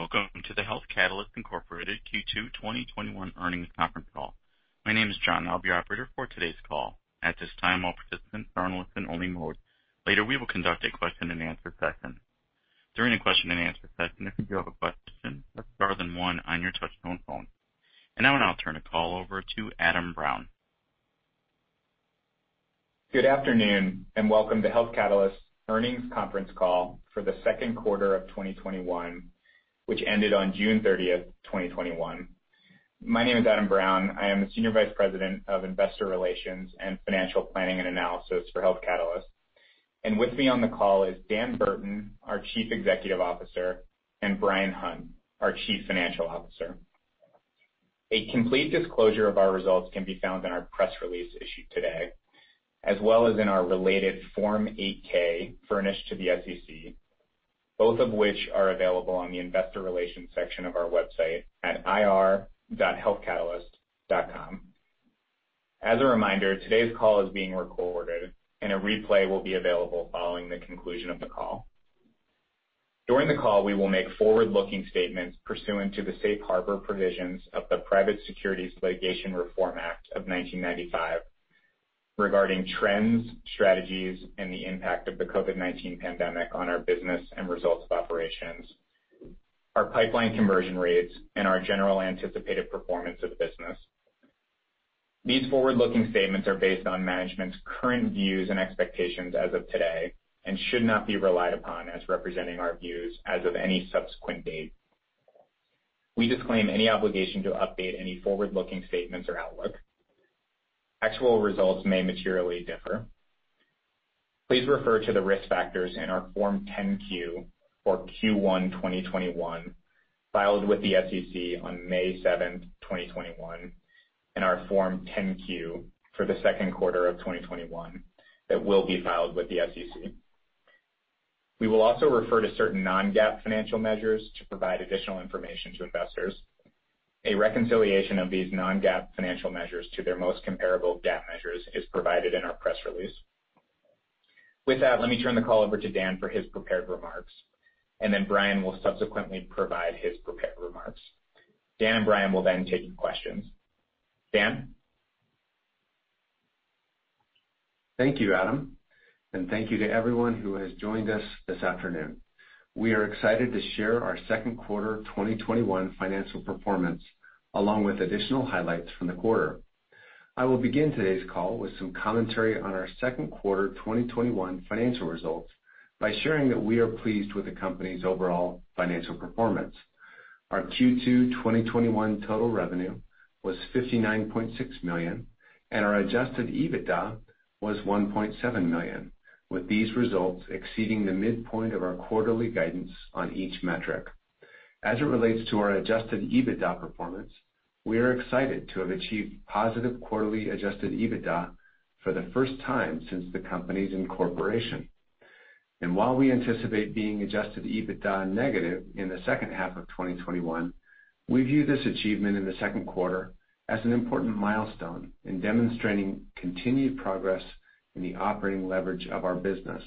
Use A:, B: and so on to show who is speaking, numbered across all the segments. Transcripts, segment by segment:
A: Welcome to the Health Catalyst Incorporated Q2 2021 earnings conference call. My name is John. I'll be your operator for today's call. At this time, all participants are in listen-only mode. Later, we will conduct a question-and-answer session. During the question-and-answer session, if you have a question, press star then one on your touchtone phone. Now I'll turn the call over to Adam Brown.
B: Good afternoon, and welcome to Health Catalyst's earnings conference call for the second quarter of 2021, which ended on June 30th, 2021. My name is Adam Brown. I am the Senior Vice President of Investor Relations and Financial Planning and Analysis for Health Catalyst. With me on the call is Dan Burton, our Chief Executive Officer, and Bryan Hunt, our Chief Financial Officer. A complete disclosure of our results can be found in our press release issued today, as well as in our related Form 8-K furnished to the SEC, both of which are available on the investor relations section of our website at ir.healthcatalyst.com. As a reminder, today's call is being recorded, and a replay will be available following the conclusion of the call. During the call, we will make forward-looking statements pursuant to the safe harbor provisions of the Private Securities Litigation Reform Act of 1995 regarding trends, strategies, and the impact of the COVID-19 pandemic on our business and results of operations, our pipeline conversion rates, and our general anticipated performance of the business. These forward-looking statements are based on management's current views and expectations as of today and should not be relied upon as representing our views as of any subsequent date. We disclaim any obligation to update any forward-looking statements or outlook. Actual results may materially differ. Please refer to the risk factors in our Form 10-Q for Q1 2021 filed with the SEC on May 7th, 2021, and our Form 10-Q for the second quarter of 2021 that will be filed with the SEC. We will also refer to certain non-GAAP financial measures to provide additional information to investors. A reconciliation of these non-GAAP financial measures to their most comparable GAAP measures is provided in our press release. With that, let me turn the call over to Dan for his prepared remarks, and then Bryan will subsequently provide his prepared remarks. Dan and Bryan will then take your questions. Dan?
C: Thank you, Adam, and thank you to everyone who has joined us this afternoon. We are excited to share our second quarter 2021 financial performance, along with additional highlights from the quarter. I will begin today's call with some commentary on our second quarter 2021 financial results by sharing that we are pleased with the company's overall financial performance. Our Q2 2021 total revenue was $59.6 million, and our adjusted EBITDA was $1.7 million, with these results exceeding the midpoint of our quarterly guidance on each metric. As it relates to our adjusted EBITDA performance, we are excited to have achieved positive quarterly adjusted EBITDA for the first time since the company's incorporation. While we anticipate being adjusted EBITDA negative in the second half of 2021, we view this achievement in the second quarter as an important milestone in demonstrating continued progress in the operating leverage of our business.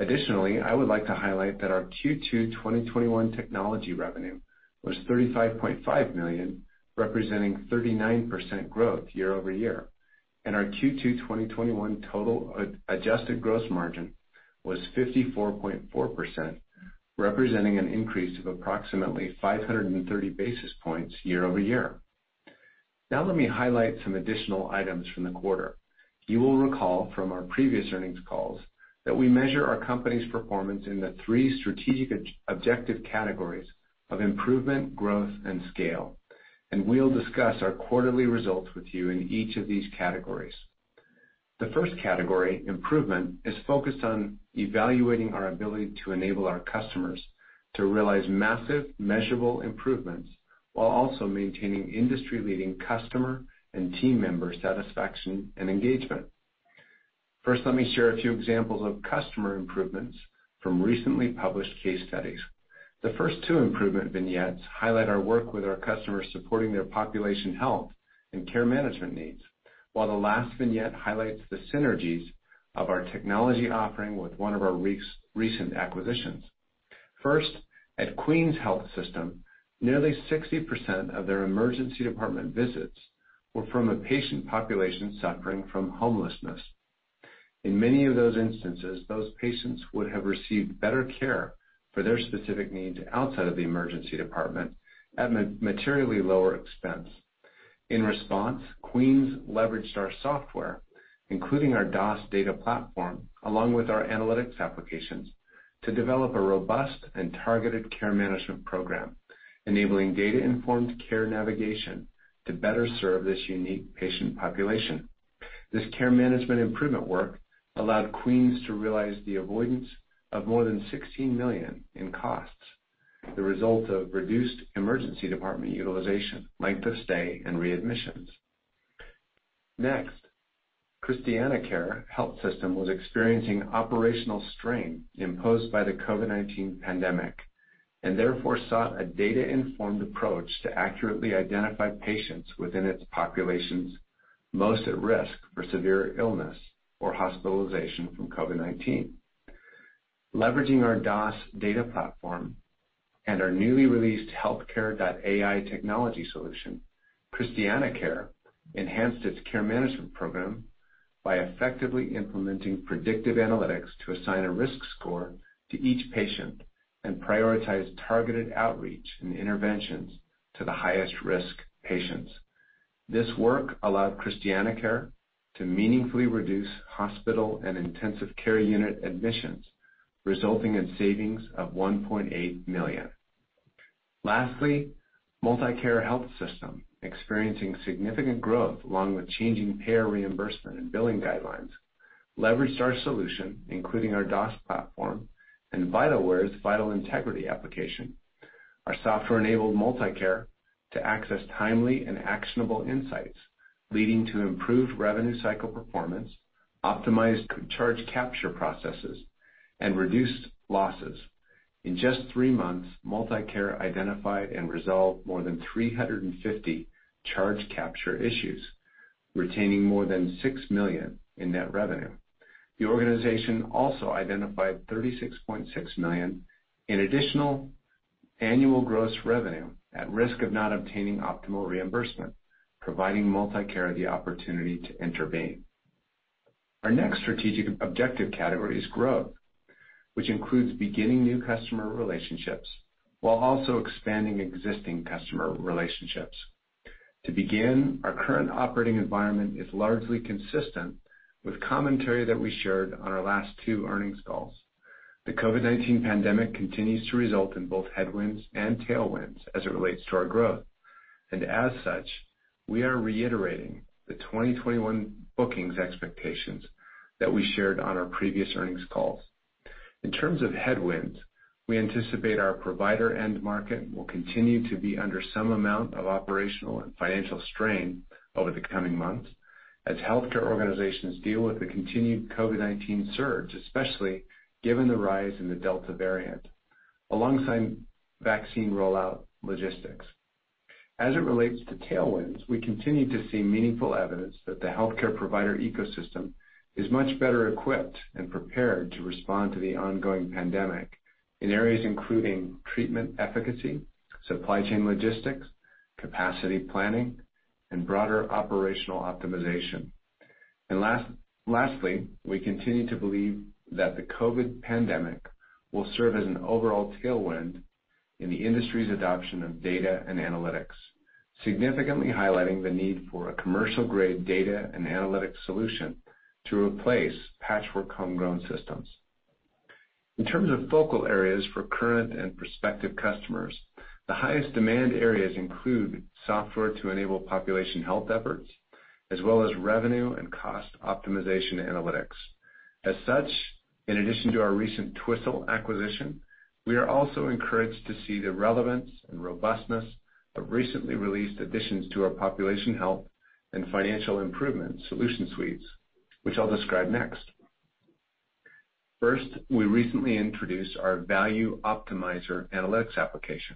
C: Additionally, I would like to highlight that our Q2 2021 technology revenue was $35.5 million, representing 39% growth year-over-year. Our Q2 2021 total adjusted gross margin was 54.4%, representing an increase of approximately 530 basis points year-over-year. Now, let me highlight some additional items from the quarter. You will recall from our previous earnings calls that we measure our company's performance in the three strategic objective categories of improvement, growth, and scale, and we'll discuss our quarterly results with you in each of these categories. The first category, improvement, is focused on evaluating our ability to enable our customers to realize massive, measurable improvements while also maintaining industry-leading customer and team member satisfaction and engagement. First, let me share a few examples of customer improvements from recently published case studies. The first two improvement vignettes highlight our work with our customers supporting their population health and care management needs, while the last vignette highlights the synergies of our technology offering with one of our recent acquisitions. First, at The Queen's Health Systems, nearly 60% of their emergency department visits were from a patient population suffering from homelessness. In many of those instances, those patients would have received better care for their specific needs outside of the emergency department at materially lower expense. In response, Queens leveraged our software, including our DaaS data platform, along with our analytics applications, to develop a robust and targeted care management program enabling data-informed care navigation to better serve this unique patient population. This care management improvement work allowed Queens to realize the avoidance of more than $16 million in costs, the result of reduced emergency department utilization, length of stay, and readmissions. Next, ChristianaCare Health System was experiencing operational strain imposed by the COVID-19 pandemic. Therefore sought a data-informed approach to accurately identify patients within its populations most at risk for severe illness or hospitalization from COVID-19. Leveraging our DaaS data platform and our newly released Healthcare.AI technology solution, ChristianaCare enhanced its care management program by effectively implementing predictive analytics to assign a risk score to each patient and prioritize targeted outreach and interventions to the highest-risk patients. This work allowed ChristianaCare to meaningfully reduce hospital and intensive care unit admissions, resulting in savings of $1.8 million. Lastly, MultiCare Health System, experiencing significant growth along with changing payer reimbursement and billing guidelines, leveraged our solution including our DaaS platform and Vitalware's VitalIntegrity application. Our software enabled MultiCare to access timely and actionable insights, leading to improved revenue cycle performance, optimized charge capture processes, and reduced losses. In just three months, MultiCare identified and resolved more than 350 charge capture issues, retaining more than $6 million in net revenue. The organization also identified $36.6 million in additional annual gross revenue at risk of not obtaining optimal reimbursement, providing MultiCare the opportunity to intervene. Our next strategic objective category is growth, which includes beginning new customer relationships while also expanding existing customer relationships. To begin, our current operating environment is largely consistent with commentary that we shared on our last two earnings calls. The COVID-19 pandemic continues to result in both headwinds and tailwinds as it relates to our growth. As such, we are reiterating the 2021 bookings expectations that we shared on our previous earnings calls. In terms of headwinds, we anticipate our provider end market will continue to be under some amount of operational and financial strain over the coming months as healthcare organizations deal with the continued COVID-19 surge, especially given the rise in the Delta variant, alongside vaccine rollout logistics. As it relates to tailwinds, we continue to see meaningful evidence that the healthcare provider ecosystem is much better equipped and prepared to respond to the ongoing pandemic in areas including treatment efficacy, supply chain logistics, capacity planning, and broader operational optimization. Lastly, we continue to believe that the COVID pandemic will serve as an overall tailwind in the industry's adoption of data and analytics, significantly highlighting the need for a commercial-grade data and analytics solution to replace patchwork homegrown systems. In terms of focal areas for current and prospective customers, the highest demand areas include software to enable population health efforts, as well as revenue and cost optimization analytics. As such, in addition to our recent Twistle acquisition, we are also encouraged to see the relevance and robustness of recently released additions to our Population Health Foundations and Financial Improvement solution suites, which I'll describe next. First, we recently introduced our Value Optimizer analytics application.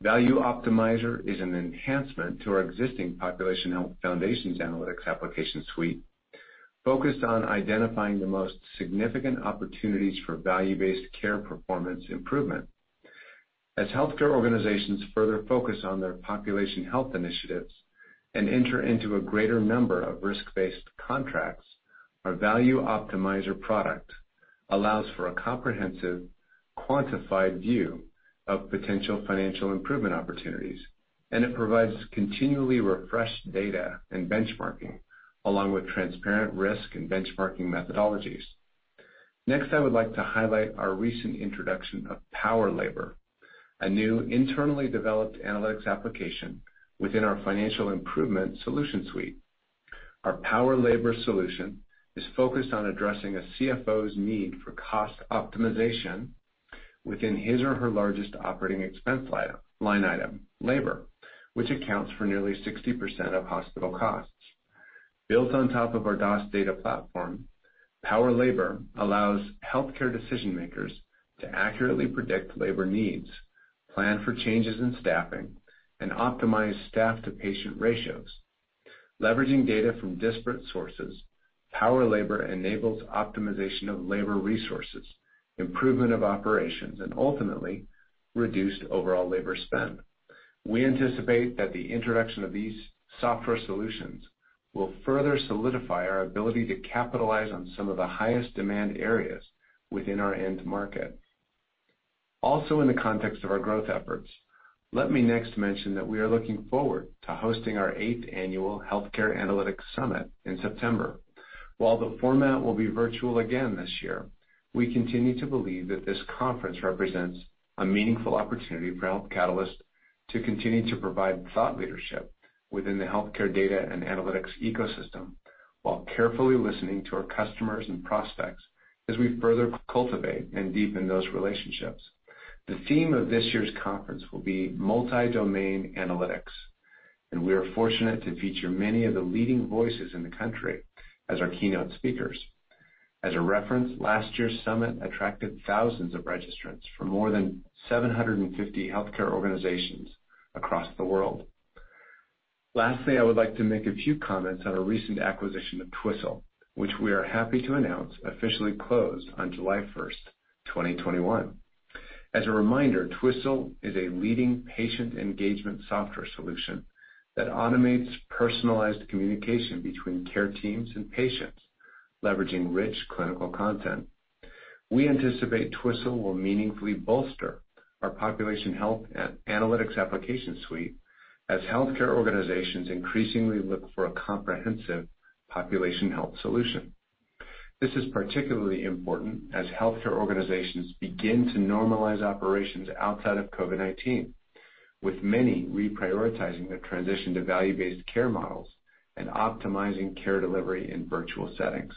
C: Value Optimizer is an enhancement to our existing Population Health Foundations analytics application suite, focused on identifying the most significant opportunities for value-based care performance improvement. As healthcare organizations further focus on their population health initiatives and enter into a greater number of risk-based contracts, our Value Optimizer product allows for a comprehensive, quantified view of potential Financial Improvement opportunities, and it provides continually refreshed data and benchmarking, along with transparent risk and benchmarking methodologies. Next, I would like to highlight our recent introduction of PowerLabor, a new internally developed analytics application within our Financial Improvement solution suite. Our PowerLabor solution is focused on addressing a CFO's need for cost optimization within his or her largest operating expense line item, labor, which accounts for nearly 60% of hospital costs. Built on top of our DaaS data platform, PowerLabor allows healthcare decision-makers to accurately predict labor needs, plan for changes in staffing, and optimize staff-to-patient ratios. Leveraging data from disparate sources, PowerLabor enables optimization of labor resources, improvement of operations, and ultimately, reduced overall labor spend. We anticipate that the introduction of these software solutions will further solidify our ability to capitalize on some of the highest demand areas within our end market. Also in the context of our growth efforts, let me next mention that we are looking forward to hosting our eighth annual Healthcare Analytics Summit in September. While the format will be virtual again this year, we continue to believe that this conference represents a meaningful opportunity for Health Catalyst to continue to provide thought leadership within the healthcare data and analytics ecosystem while carefully listening to our customers and prospects as we further cultivate and deepen those relationships. The theme of this year's conference will be multidomain analytics, and we are fortunate to feature many of the leading voices in the country as our keynote speakers. As a reference, last year's summit attracted thousands of registrants from more than 750 healthcare organizations across the world. Lastly, I would like to make a few comments on our recent acquisition of Twistle, which we are happy to announce officially closed on July 1st, 2021. As a reminder, Twistle is a leading patient engagement software solution that automates personalized communication between care teams and patients, leveraging rich clinical content. We anticipate Twistle will meaningfully bolster our population health and analytics application suite as healthcare organizations increasingly look for a comprehensive population health solution. This is particularly important as healthcare organizations begin to normalize operations outside of COVID-19, with many reprioritizing their transition to value-based care models and optimizing care delivery in virtual settings.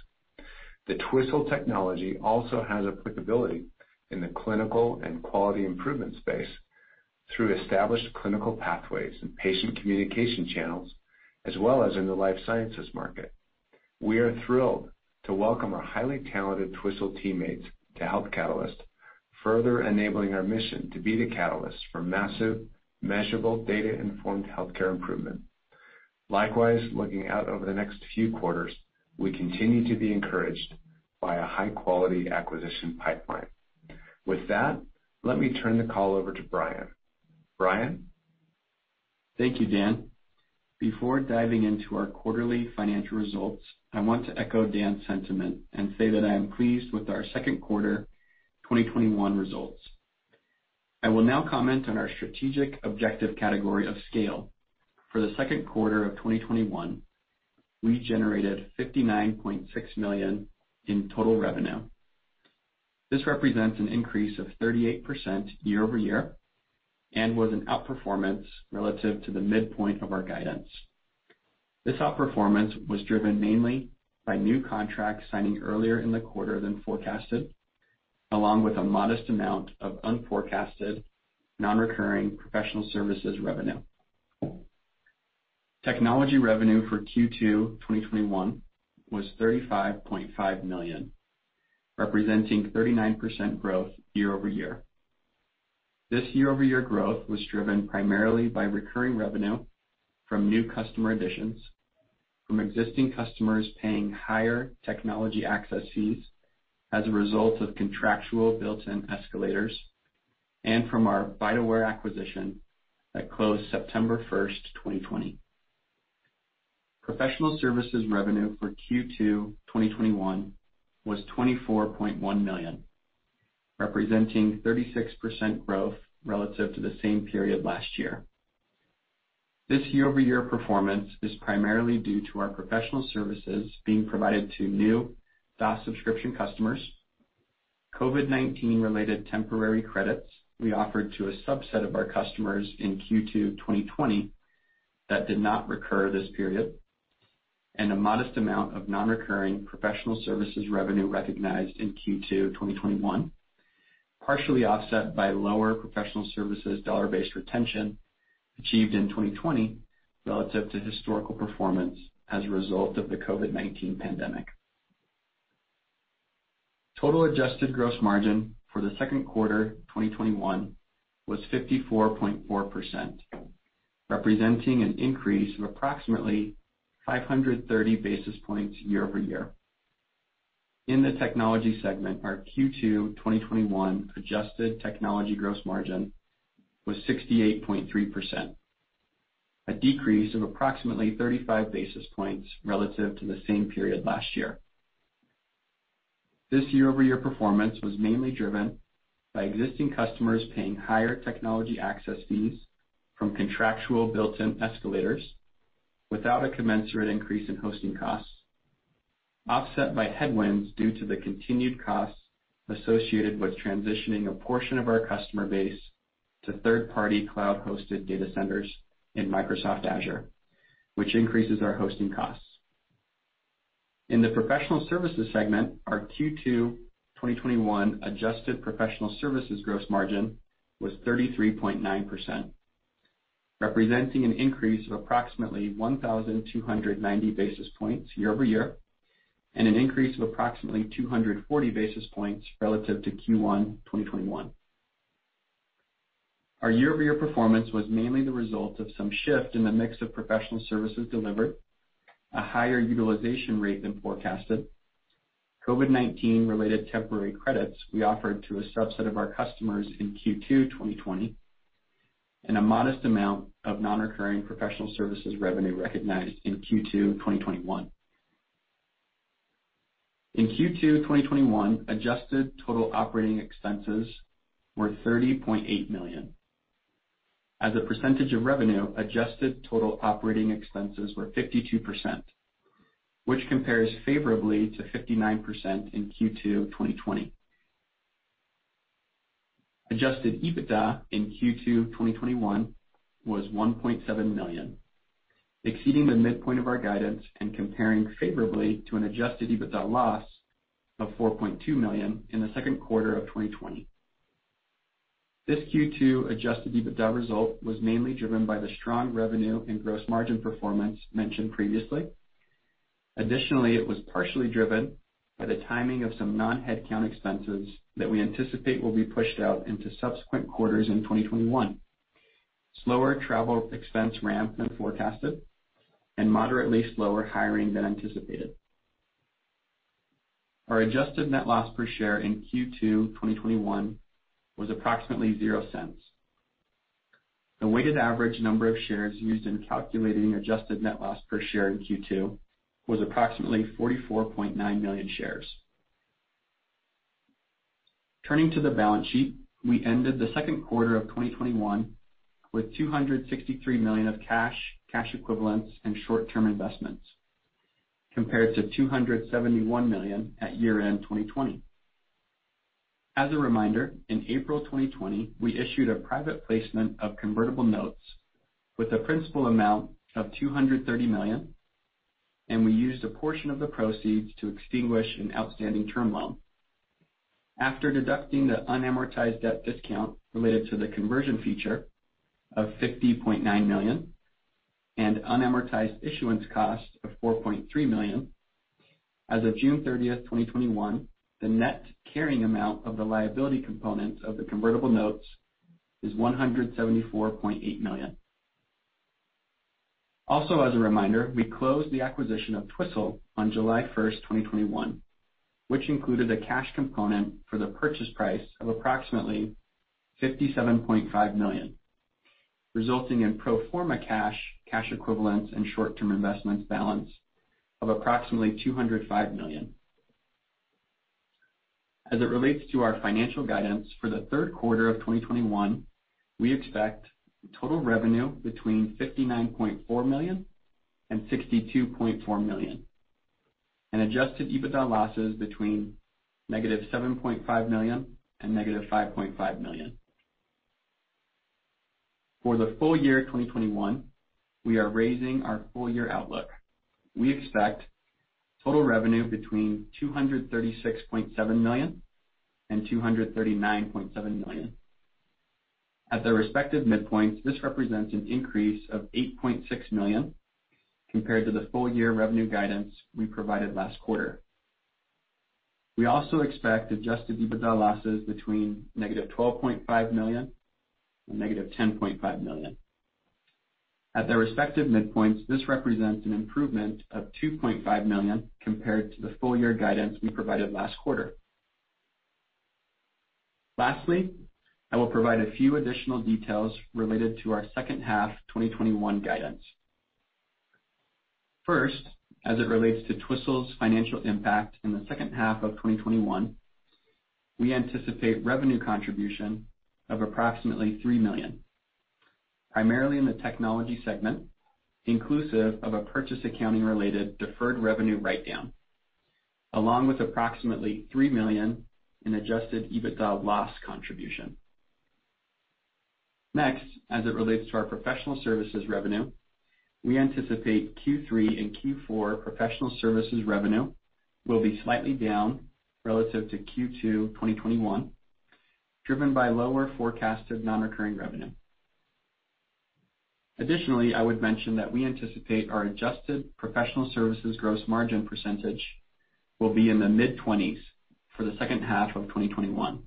C: The Twistle technology also has applicability in the clinical and quality improvement space through established clinical pathways and patient communication channels, as well as in the life sciences market. We are thrilled to welcome our highly talented Twistle teammates to Health Catalyst, further enabling our mission to be the catalyst for massive, measurable, data-informed healthcare improvement. Likewise, looking out over the next few quarters, we continue to be encouraged by a high-quality acquisition pipeline. With that, let me turn the call over to Bryan. Bryan?
D: Thank you, Dan. Before diving into our quarterly financial results, I want to echo Dan's sentiment and say that I am pleased with our second quarter 2021 results. I will now comment on our strategic objective category of scale. For the second quarter of 2021, we generated $59.6 million in total revenue. This represents an increase of 38% year-over-year, and was an outperformance relative to the midpoint of our guidance. This outperformance was driven mainly by new contracts signing earlier in the quarter than forecasted, along with a modest amount of unforecasted non-recurring Professional Services revenue. Technology revenue for Q2 2021 was $35.5 million, representing 39% growth year-over-year. This year-over-year growth was driven primarily by recurring revenue from new customer additions, from existing customers paying higher technology access fees as a result of contractual built-in escalators, and from our Vitalware acquisition that closed September 1st, 2020. Professional Services revenue for Q2 2021 was $24.1 million, representing 36% growth relative to the same period last year. This year-over-year performance is primarily due to our Professional Services being provided to new DaaS subscription customers. COVID-19 related temporary credits we offered to a subset of our customers in Q2 2020 that did not recur this period, and a modest amount of non-recurring Professional Services revenue recognized in Q2 2021, partially offset by lower Professional Services dollar-based retention achieved in 2020 relative to historical performance as a result of the COVID-19 pandemic. Total adjusted gross margin for the second quarter 2021 was 54.4%, representing an increase of approximately 530 basis points year-over-year. In the Technology segment, our Q2 2021 adjusted Technology gross margin was 68.3%, a decrease of approximately 35 basis points relative to the same period last year. This year-over-year performance was mainly driven by existing customers paying higher technology access fees from contractual built-in escalators without a commensurate increase in hosting costs, offset by headwinds due to the continued costs associated with transitioning a portion of our customer base to third-party cloud-hosted data centers in Microsoft Azure, which increases our hosting costs. In the Professional Services segment, our Q2 2021 adjusted Professional Services gross margin was 33.9%, representing an increase of approximately 1,290 basis points year-over-year and an increase of approximately 240 basis points relative to Q1 2021. Our year-over-year performance was mainly the result of some shift in the mix of Professional Services delivered, a higher utilization rate than forecasted, COVID-19 related temporary credits we offered to a subset of our customers in Q2 2020, and a modest amount of non-recurring Professional Services revenue recognized in Q2 2021. In Q2 2021, adjusted total operating expenses were $30.8 million. As a percentage of revenue, adjusted total operating expenses were 52%, which compares favorably to 59% in Q2 2020. Adjusted EBITDA in Q2 2021 was $1.7 million, exceeding the midpoint of our guidance and comparing favorably to an adjusted EBITDA loss of $4.2 million in the second quarter of 2020. This Q2 adjusted EBITDA result was mainly driven by the strong revenue and gross margin performance mentioned previously. Additionally, it was partially driven by the timing of some non-headcount expenses that we anticipate will be pushed out into subsequent quarters in 2021, slower travel expense ramp than forecasted, and moderately slower hiring than anticipated. Our adjusted net loss per share in Q2 2021 was approximately $0.00. The weighted average number of shares used in calculating adjusted net loss per share in Q2 was approximately 44.9 million shares. Turning to the balance sheet, we ended the second quarter of 2021 with $263 million of cash equivalents, and short-term investments, compared to $271 million at year-end 2020. As a reminder, in April 2020, we issued a private placement of convertible notes with a principal amount of $230 million, and we used a portion of the proceeds to extinguish an outstanding term loan. After deducting the unamortized debt discount related to the conversion feature of $50.9 million and unamortized issuance costs of $4.3 million, as of June 30th, 2021, the net carrying amount of the liability components of the convertible notes is $174.8 million. Also, as a reminder, we closed the acquisition of Twistle on July 1st, 2021, which included a cash component for the purchase price of approximately $57.5 million, resulting in pro forma cash equivalents, and short-term investments balance of approximately $205 million. As it relates to our financial guidance for the third quarter of 2021, we expect total revenue between $59.4 million and $62.4 million, and adjusted EBITDA losses between $-7.5 million and $-5.5 million. For the full year 2021, we are raising our full-year outlook. We expect total revenue between $236.7 million and $239.7 million. At their respective midpoints, this represents an increase of $8.6 million compared to the full year revenue guidance we provided last quarter. We also expect adjusted EBITDA losses between $-12.5 million and $-10.5 million. At their respective midpoints, this represents an improvement of $2.5 million compared to the full year guidance we provided last quarter. Lastly, I will provide a few additional details related to our second half 2021 guidance. First, as it relates to Twistle's financial impact in the second half of 2021, we anticipate revenue contribution of approximately $3 million, primarily in the Technology segment, inclusive of a purchase accounting-related deferred revenue write-down, along with approximately $3 million in adjusted EBITDA loss contribution. Next, as it relates to our Professional Services revenue, we anticipate Q3 and Q4 Professional Services revenue will be slightly down relative to Q2 2021, driven by lower forecasted non-recurring revenue. Additionally, I would mention that we anticipate our adjusted Professional Services gross margin percentage will be in the mid-20s for the second half of 2021,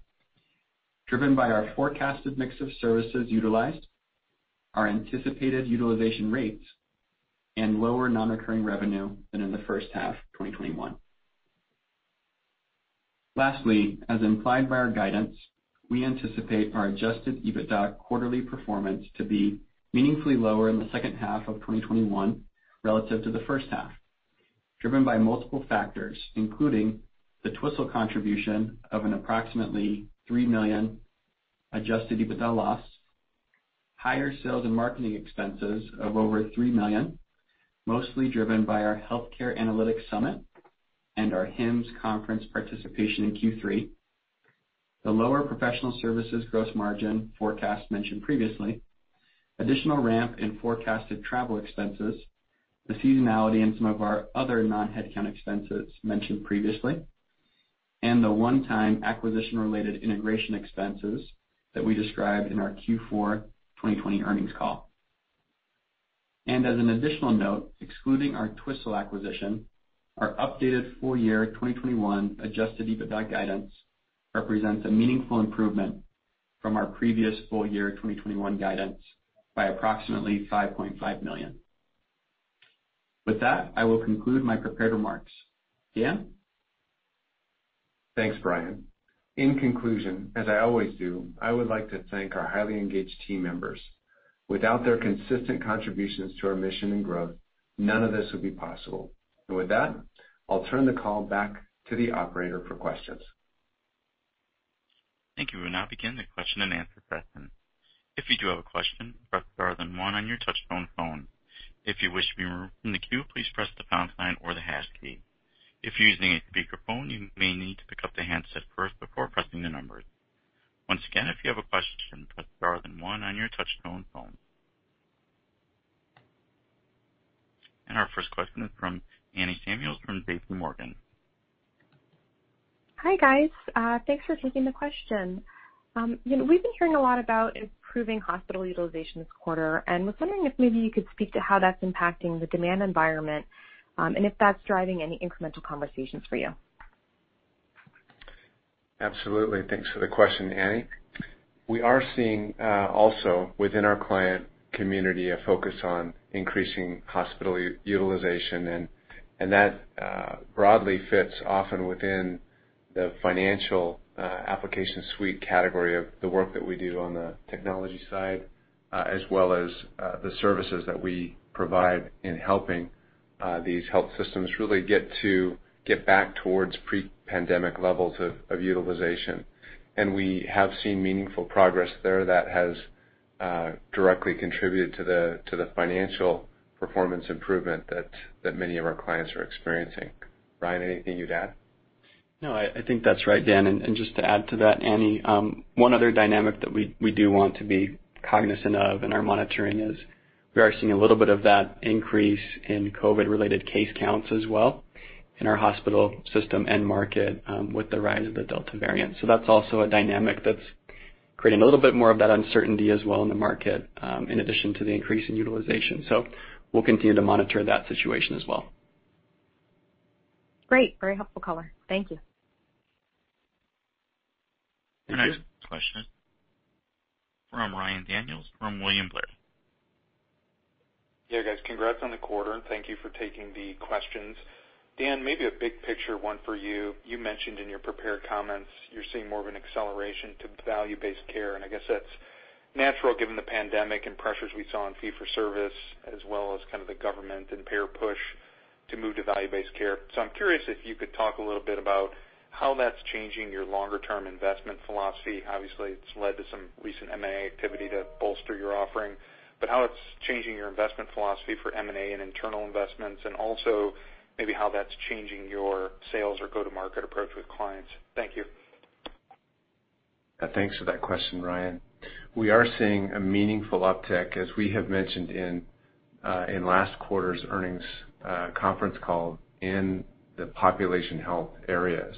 D: driven by our forecasted mix of services utilized, our anticipated utilization rates, and lower non-recurring revenue than in the first half of 2021. Lastly, as implied by our guidance, we anticipate our adjusted EBITDA quarterly performance to be meaningfully lower in the second half of 2021 relative to the first half, driven by multiple factors, including the Twistle contribution of an approximately $3 million adjusted EBITDA loss, higher sales and marketing expenses of over $3 million, mostly driven by our Healthcare Analytics Summit and our HIMSS conference participation in Q3, the lower Professional Services gross margin forecast mentioned previously, additional ramp in forecasted travel expenses, the seasonality in some of our other non-headcount expenses mentioned previously, and the one-time acquisition-related integration expenses that we described in our Q4 2020 earnings call. As an additional note, excluding our Twistle acquisition, our updated full year 2021 adjusted EBITDA guidance represents a meaningful improvement from our previous full year 2021 guidance by approximately $5.5 million. With that, I will conclude my prepared remarks. Dan?
C: Thanks, Bryan. In conclusion, as I always do, I would like to thank our highly engaged team members. Without their consistent contributions to our mission and growth, none of this would be possible. With that, I'll turn the call back to the operator for questions.
A: Thank you and now we'll begin the question-and-answer session. If you do have a question, please press star then one on your touchphone phone. If you wish to remove yourself from the queue, please press pound or the harsh key. If you're using a speaker phone, you may need to pick up the hand set first before pressing the number. If you have a question, press star then one on your touchphone phone This question is from Anne Samuel from JPMorgan.
E: Hi, guys. Thanks for taking the question. We've been hearing a lot about improving hospital utilization this quarter, and was wondering if maybe you could speak to how that's impacting the demand environment, and if that's driving any incremental conversations for you.
C: Absolutely. Thanks for the question, Anne. We are seeing, also within our client community, a focus on increasing hospital utilization, that broadly fits often within the financial application suite category of the work that we do on the technology side, as well as the services that we provide in helping these health systems really get back towards pre-pandemic levels of utilization. We have seen meaningful progress there that has directly contributed to the financial performance improvement that many of our clients are experiencing. Bryan, anything you'd add?
D: No, I think that's right, Dan. Just to add to that, Anne, one other dynamic that we do want to be cognizant of in our monitoring is we are seeing a little bit of that increase in COVID-related case counts as well in our hospital system end market with the rise of the Delta variant. That's also a dynamic that's creating a little bit more of that uncertainty as well in the market in addition to the increase in utilization. We'll continue to monitor that situation as well.
E: Great. Very helpful color. Thank you.
D: Thank you.
A: Our next question is from Ryan Daniels from William Blair.
F: Yeah, guys. Congrats on the quarter, and thank you for taking the questions. Dan, maybe a big picture one for you. You mentioned in your prepared comments you're seeing more of an acceleration to value-based care, and I guess that's natural given the pandemic and pressures we saw on fee for service, as well as kind of the government and payer push to move to value-based care. I'm curious if you could talk a little bit about how that's changing your longer term investment philosophy. Obviously, it's led to some recent M&A activity to bolster your offering, but how it's changing your investment philosophy for M&A and internal investments and also maybe how that's changing your sales or go-to-market approach with clients. Thank you.
C: Thanks for that question, Ryan. We are seeing a meaningful uptick, as we have mentioned in last quarter's earnings conference call in the population health areas.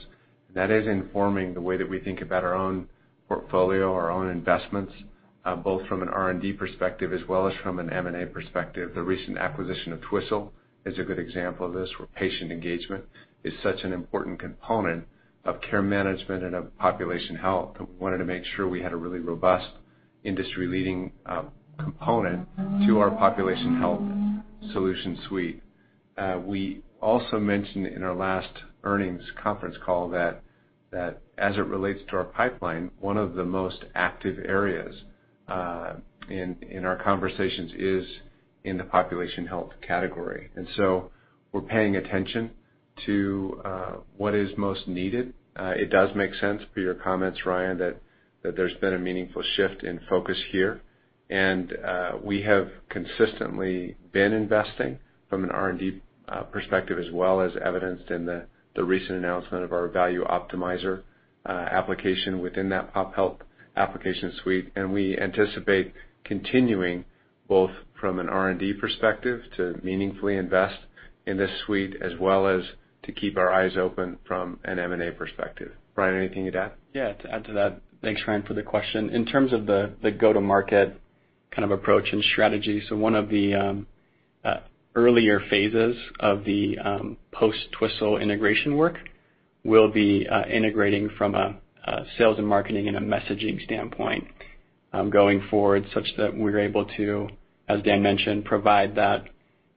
C: That is informing the way that we think about our own portfolio, our own investments, both from an R&D perspective as well as from an M&A perspective. The recent acquisition of Twistle is a good example of this, where patient engagement is such an important component of care management and of population health, and we wanted to make sure we had a really robust industry-leading component to our population health solution suite. We also mentioned in our last earnings conference call that as it relates to our pipeline, one of the most active areas in our conversations is in the population health category and so we're paying attention to what is most needed. It does make sense per your comments, Ryan, that there's been a meaningful shift in focus here. We have consistently been investing from an R&D perspective as well, as evidenced in the recent announcement of our Value Optimizer application within that pop health application suite. We anticipate continuing, both from an R&D perspective to meaningfully invest in this suite, as well as to keep our eyes open from an M&A perspective. Ryan, anything you'd add?
D: To add to that, thanks, Ryan, for the question. In terms of the go-to-market kind of approach and strategy, one of the earlier phases of the post-Twistle integration work will be integrating from a sales and marketing and a messaging standpoint going forward, such that we're able to, as Dan mentioned, provide that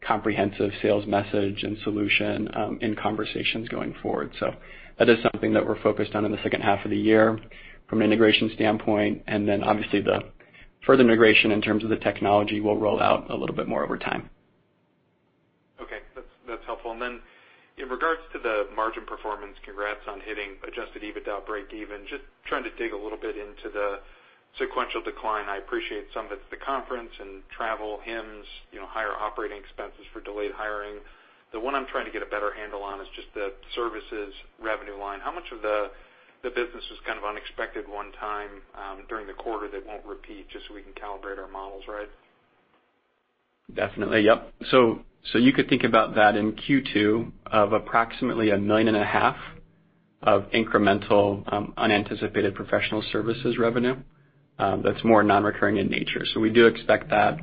D: comprehensive sales message and solution in conversations going forward. That is something that we're focused on in the second half of the year from an integration standpoint. Obviously the further integration in terms of the technology will roll out a little bit more over time.
F: Okay. That's helpful. In regards to the margin performance, congrats on hitting adjusted EBITDA break even. Just trying to dig a little bit into the sequential decline. I appreciate some of it's the conference and travel HIMSS, higher operating expenses for delayed hiring. The one I'm trying to get a better handle on is just the services revenue line. How much of the business was kind of unexpected one-time during the quarter that won't repeat, just so we can calibrate our models right?
D: Definitely. Yep. You could think about that in Q2 of approximately a million and a half of incremental unanticipated Professional Services revenue that's more non-recurring in nature. We do expect that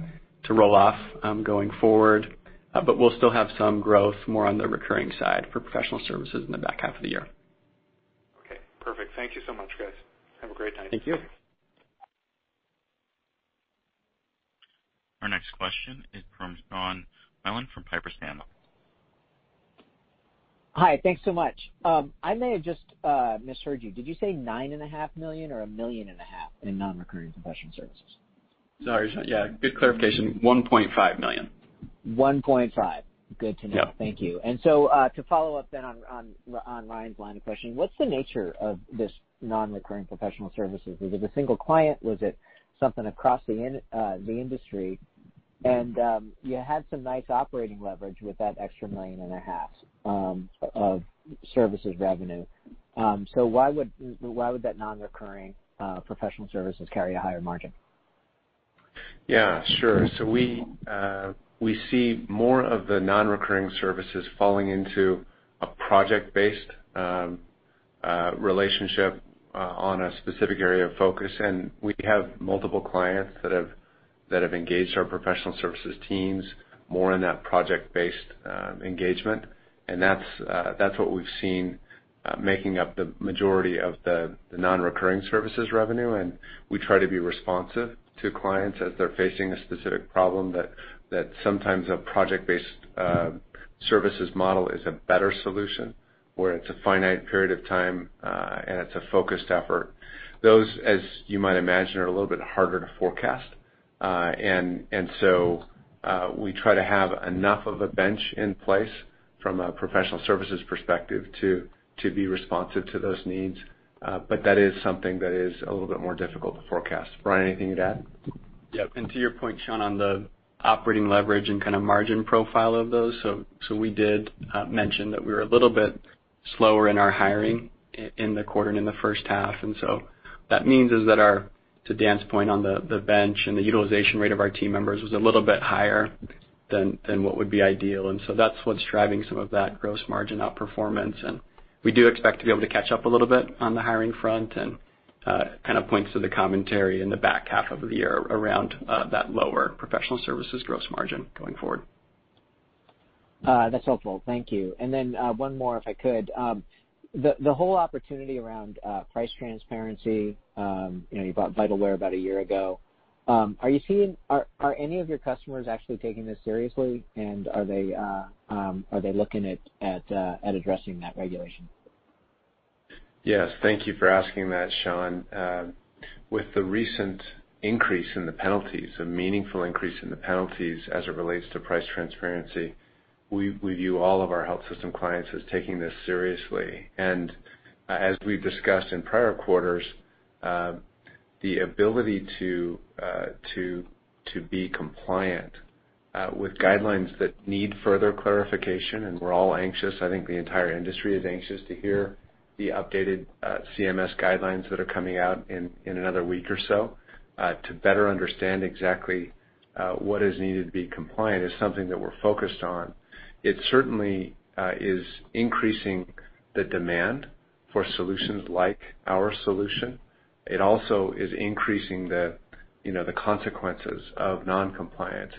D: to roll off going forward but we'll still have some growth more on the recurring side for Professional Services in the back half of the year.
F: Okay, perfect. Thank you so much, guys. Have a great night.
D: Thank you.
A: Our next question is from Sean Wieland from Piper Sandler.
G: Hi. Thanks so much. I may have just misheard you. Did you say $9,500,000 or $1,500,000 in non-recurring Professional Services?
D: Sorry. Yeah, good clarification. $1.5 million.
G: $1.5 million. Good to know.
D: Yeah.
G: Thank you. To follow up on Ryan's line of questioning, what's the nature of this non-recurring Professional Services? Was it a single client? Was it something across the industry? You had some nice operating leverage with that extra $1,500,000 of services revenue. Why would that non-recurring Professional Services carry a higher margin?
C: Yeah, sure. We see more of the non-recurring services falling into a project-based relationship on a one specific area of focus, and we have multiple clients that have engaged our Professional Services teams more in that project-based engagement. That's what we've seen making up the majority of the non-recurring services revenue, and we try to be responsive to clients as they're facing a specific problem that sometimes a project-based services model is a better solution, where it's a finite period of time, and it's a focused effort. Those, as you might imagine, are a little bit harder to forecast. We try to have enough of a bench in place from a Professional Services perspective to be responsive to those needs but that is something that is a little bit more difficult to forecast. Bryan, anything to add?
D: Yep. To your point, Sean, on the operating leverage and margin profile of those, so we did mention that we were a little bit slower in our hiring in the quarter and in the first half. What that means is that our, to Dan's point on the bench and the utilization rate of our team members, was a little bit higher than what would be ideal, and so that's what's driving some of that gross margin outperformance. We do expect to be able to catch up a little bit on the hiring front and points to the commentary in the back half of the year around that lower Professional Services gross margin going forward.
G: That's helpful. Thank you. One more, if I could. The whole opportunity around price transparency, you bought Vitalware about a year ago. Are any of your customers actually taking this seriously, and are they looking at addressing that regulation?
C: Yes, thank you for asking that, Sean. With the recent increase in the penalties, a meaningful increase in the penalties as it relates to price transparency, we view all of our health system clients as taking this seriously. As we've discussed in prior quarters, the ability to be compliant with guidelines that need further clarification, we're all anxious, I think the entire industry is anxious to hear the updated CMS guidelines that are coming out in another week or so, to better understand exactly what is needed to be compliant is something that we're focused on. It certainly is increasing the demand for solutions like our solution. It also is increasing the consequences of non-compliance.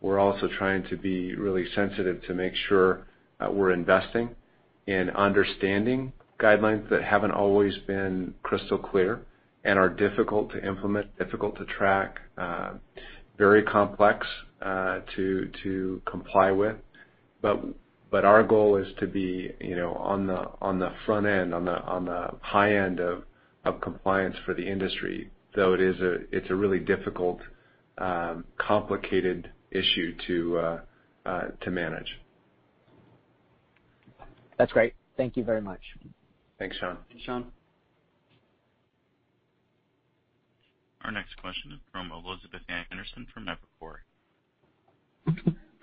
C: We're also trying to be really sensitive to make sure that we're investing in understanding guidelines that haven't always been crystal clear and are difficult to implement, difficult to track, very complex to comply with. Our goal is to be on the front end, on the high end of compliance for the industry, though it's a really difficult, complicated issue to manage.
G: That's great. Thank you very much.
C: Thanks, Sean.
D: Sean?
A: Our next question is from Elizabeth Anderson from Evercore.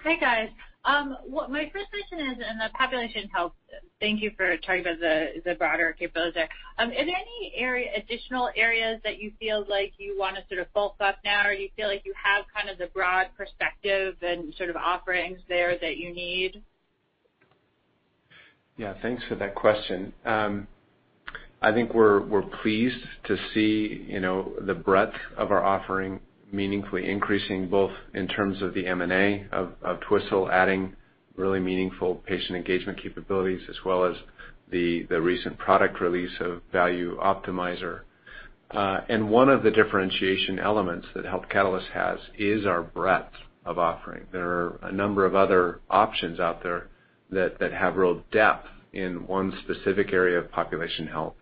H: Hi, guys. My first question is in the population health. Thank you for talking about the broader capabilities there. Is there any additional areas that you feel like you want to sort of bulk up now, or you feel like you have the broad perspective and sort of offerings there that you need?
C: Yeah. Thanks for that question. I think we're pleased to see the breadth of our offering meaningfully increasing, both in terms of the M&A of Twistle adding really meaningful patient engagement capabilities, as well as the recent product release of Value Optimizer. One of the differentiation elements that Health Catalyst has is our breadth of offering. There are a number of other options out there that have real depth in one specific area of population health,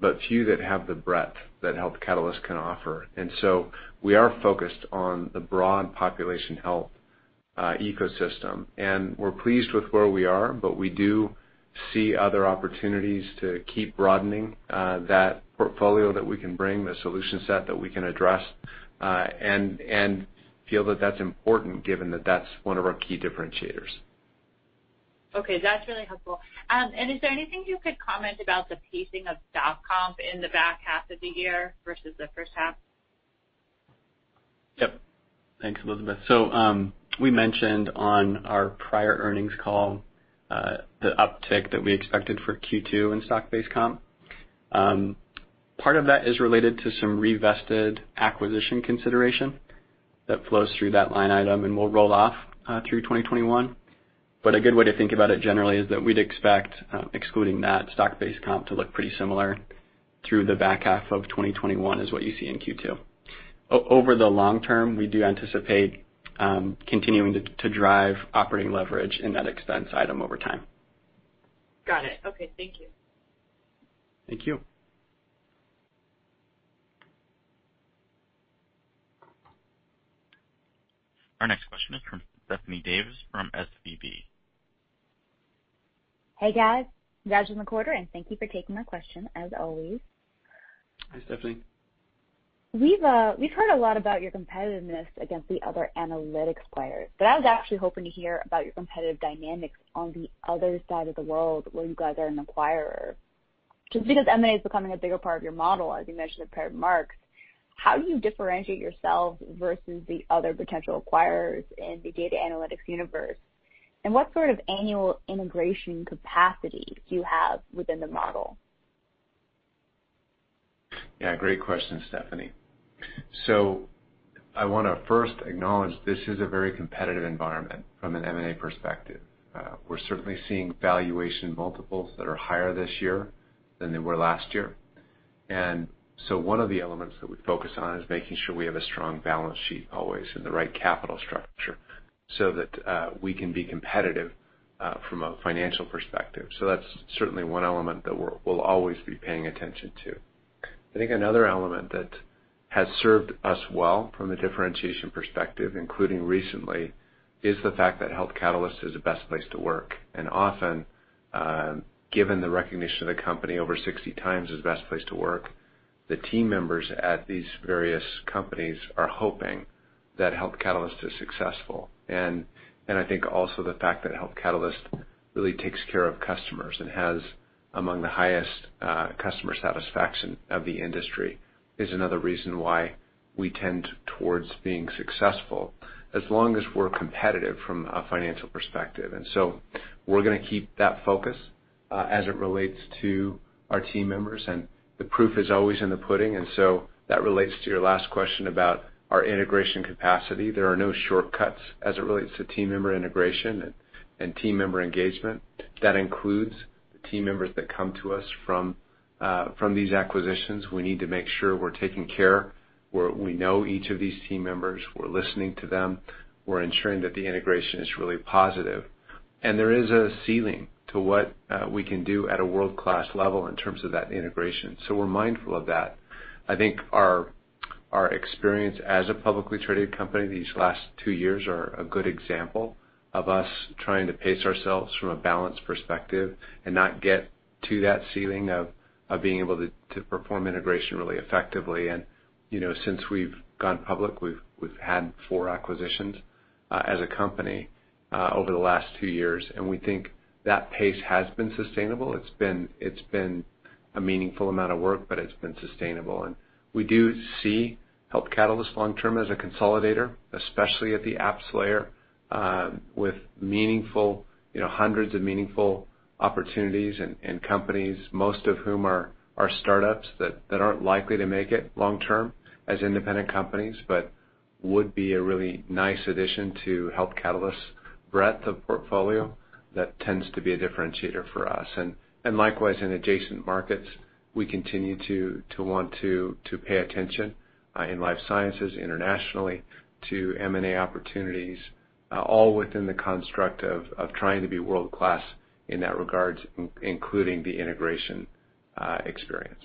C: but few that have the breadth that Health Catalyst can offer and so we are focused on the broad population health ecosystem, and we're pleased with where we are, but we do see other opportunities to keep broadening that portfolio that we can bring, the solution set that we can address, and feel that that's important given that that's one of our key differentiators.
H: Okay. That's really helpful. Is there anything you could comment about the pacing of stock comp in the back half of the year versus the first half?
D: Yep. Thanks, Elizabeth. We mentioned on our prior earnings call, the uptick that we expected for Q2 in stock-based comp. Part of that is related to some re-vested acquisition consideration that flows through that line item and will roll off through 2021. A good way to think about it generally is that we'd expect, excluding that stock-based comp to look pretty similar through the back half of 2021 as what you see in Q2. Over the long term, we do anticipate continuing to drive operating leverage in that expense item over time.
H: Got it. Okay. Thank you.
D: Thank you.
A: Our next question is from Stephanie Davis from SVB.
I: Hey, guys. Congratulations on the quarter, and thank you for taking my question, as always.
D: Hi, Stephanie.
I: We've heard a lot about your competitiveness against the other analytics players, but I was actually hoping to hear about your competitive dynamics on the other side of the world, where you guys are an acquirer. Just because M&A is becoming a bigger part of your model, as you mentioned in prepared remarks, how do you differentiate yourself versus the other potential acquirers in the data analytics universe and what sort of annual integration capacity do you have within the model?
C: Yeah, great question, Stephanie. I want to first acknowledge this is a very competitive environment from an M&A perspective. We're certainly seeing valuation multiples that are higher this year than they were last year. One of the elements that we focus on is making sure we have a strong balance sheet always and the right capital structure so that we can be competitive, from a financial perspective so that's certainly one element that we'll always be paying attention to. I think another element that has served us well from a differentiation perspective, including recently, is the fact that Health Catalyst is a best place to work. Often, given the recognition of the company over 60 times as best place to work, the team members at these various companies are hoping that Health Catalyst is successful. I think also the fact that Health Catalyst really takes care of customers and has among the highest customer satisfaction of the industry is another reason why we tend towards being successful, as long as we're competitive from a financial perspective. We're going to keep that focus as it relates to our team members, and the proof is always in the pudding and so that relates to your last question about our integration capacity. There are no shortcuts as it relates to team member integration and team member engagement. That includes team members that come to us from these acquisitions. We need to make sure we're taking care, we know each of these team members, we're listening to them, we're ensuring that the integration is really positive. There is a ceiling to what we can do at a world-class level in terms of that integration so we're mindful of that. I think our experience as a publicly-traded company these last two years are a good example of us trying to pace ourselves from a balance perspective and not get to that ceiling of being able to perform integration really effectively. Since we've gone public, we've had four acquisitions as a company over the last two years, and we think that pace has been sustainable. It's been a meaningful amount of work, but it's been sustainable. We do see Health Catalyst long term as a consolidator, especially at the apps layer, with hundreds of meaningful opportunities and companies, most of whom are startups that aren't likely to make it long term as independent companies, but would be a really nice addition to Health Catalyst's breadth of portfolio. That tends to be a differentiator for us. Likewise, in adjacent markets, we continue to want to pay attention, in life sciences, internationally, to M&A opportunities, all within the construct of trying to be world-class in that regard, including the integration experience.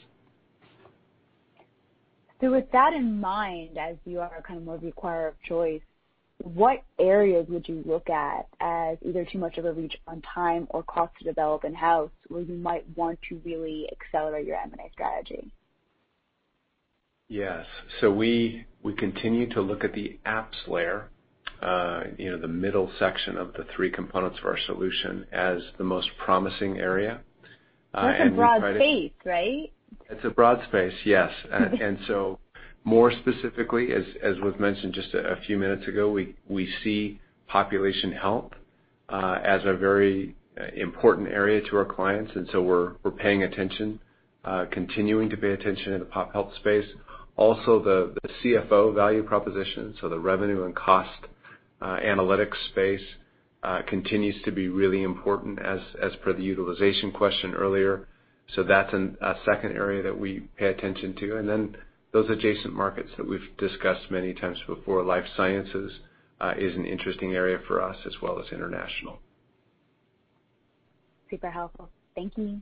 I: With that in mind, as you are kind of more of the acquirer of choice, what areas would you look at as either too much of a reach on time or cost to develop in-house where you might want to really accelerate your M&A strategy?
C: Yes. We continue to look at the apps layer, the middle section of the three components of our solution, as the most promising area.
I: That's a broad space, right?
C: It's a broad space, yes. More specifically, as was mentioned just a few minutes ago, we see population health as a very important area to our clients, and so we're paying attention, continuing to pay attention in the pop health space. Also, the CFO value proposition, so the revenue and cost analytics space, continues to be really important as per the utilization question earliers so that's a second area that we pay attention to. Those adjacent markets that we've discussed many times before. Life sciences is an interesting area for us, as well as international.
I: Super helpful. Thank you.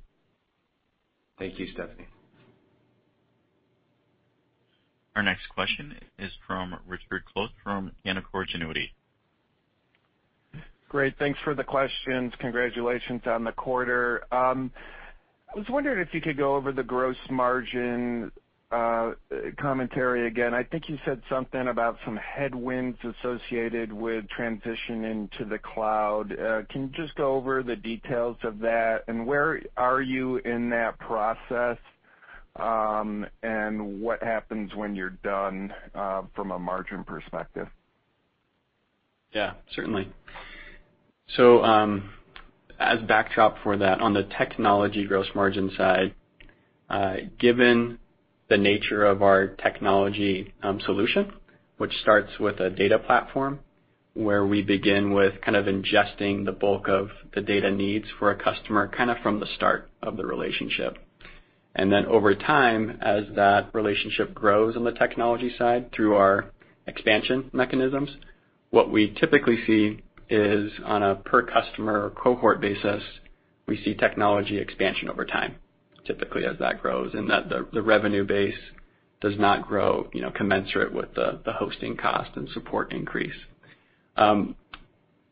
C: Thank you, Stephanie.
A: Our next question is from Richard Close from Canaccord Genuity.
J: Great. Thanks for the questions. Congratulations on the quarter. I was wondering if you could go over the gross margin commentary again. I think you said something about some headwinds associated with transitioning to the cloud. Can you just go over the details of that, and where are you in that process? What happens when you're done from a margin perspective?
D: Yeah, certainly. As backdrop for that, on the technology gross margin side, given the nature of our technology solution, which starts with a data platform where we begin with kind of ingesting the bulk of the data needs for a customer, kind of from the start of the relationship. Over time, as that relationship grows on the technology side through our expansion mechanisms, what we typically see is on a per customer cohort basis, we see technology expansion over time, typically as that grows, and that the revenue base does not grow commensurate with the hosting cost and support increase.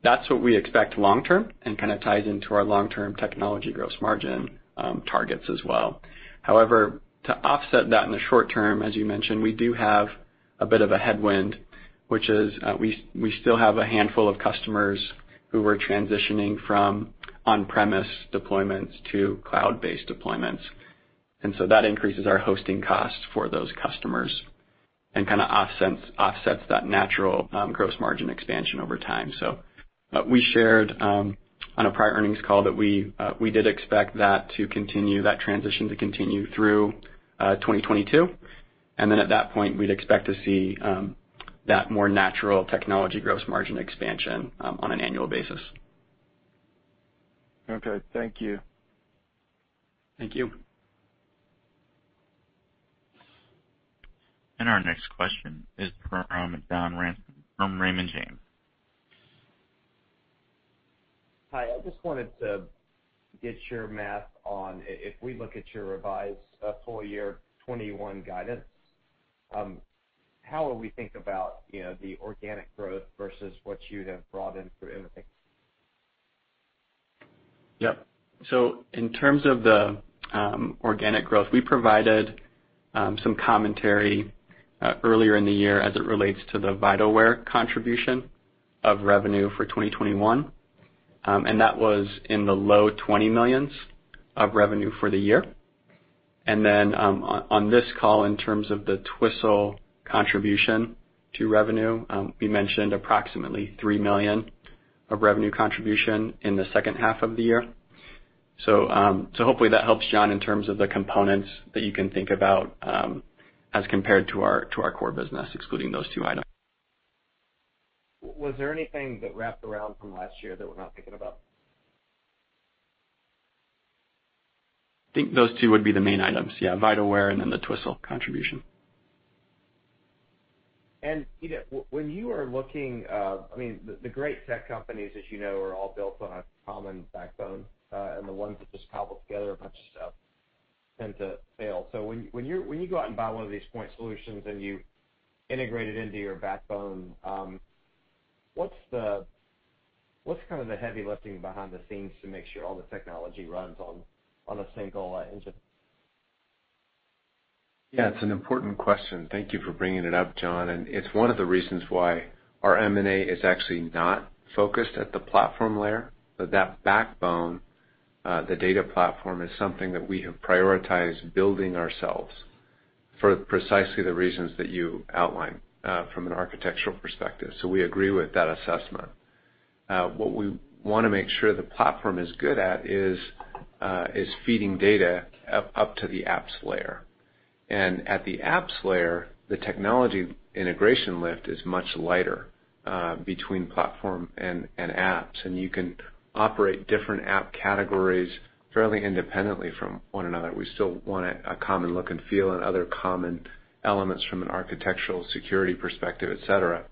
D: That's what we expect long term and kind of ties into our long-term technology gross margin targets as well. However, to offset that in the short term, as you mentioned, we do have a bit of a headwind, which is we still have a handful of customers who were transitioning from on-premise deployments to cloud-based deployments. That increases our hosting costs for those customers and kind of offsets that natural gross margin expansion over time. We shared on a prior earnings call that we did expect that transition to continue through 2022. At that point, we'd expect to see that more natural technology gross margin expansion on an annual basis.
J: Okay. Thank you.
D: Thank you.
A: Our next question is from John Ransom from Raymond James.
K: Hi. I just wanted to get your math on, if we look at your revised full year 2021 guidance, how would we think about the organic growth versus what you have brought in through M&A?
D: Yep. In terms of the organic growth, we provided some commentary earlier in the year as it relates to the Vitalware contribution of revenue for 2021 and that was in the low $20 million of revenue for the year. On this call, in terms of the Twistle contribution to revenue, we mentioned approximately $3 million of revenue contribution in the second half of the year. Hopefully that helps, John, in terms of the components that you can think about as compared to our core business, excluding those two items.
K: Was there anything that wrapped around from last year that we're not thinking about?
D: I think those two would be the main items. Yeah, Vitalware and then the Twistle contribution.
K: When you are looking, the great tech companies, as you know, are all built on a common backbone. The ones that just cobble together a bunch of stuff tend to fail. When you go out and buy one of these point solutions and you integrate it into your backbone, what's the heavy lifting behind the scenes to make sure all the technology runs on a single engine?
C: Yeah, it's an important question. Thank you for bringing it up, John. It's one of the reasons why our M&A is actually not focused at the platform layer, but that backbone, the data platform, is something that we have prioritized building ourselves for precisely the reasons that you outlined from an architectural perspective. We agree with that assessment. What we want to make sure the platform is good at is feeding data up to the apps layer. At the apps layer, the technology integration lift is much lighter between platform and apps. You can operate different app categories fairly independently from one another. We still want a common look and feel and other common elements from an architectural security perspective, etc.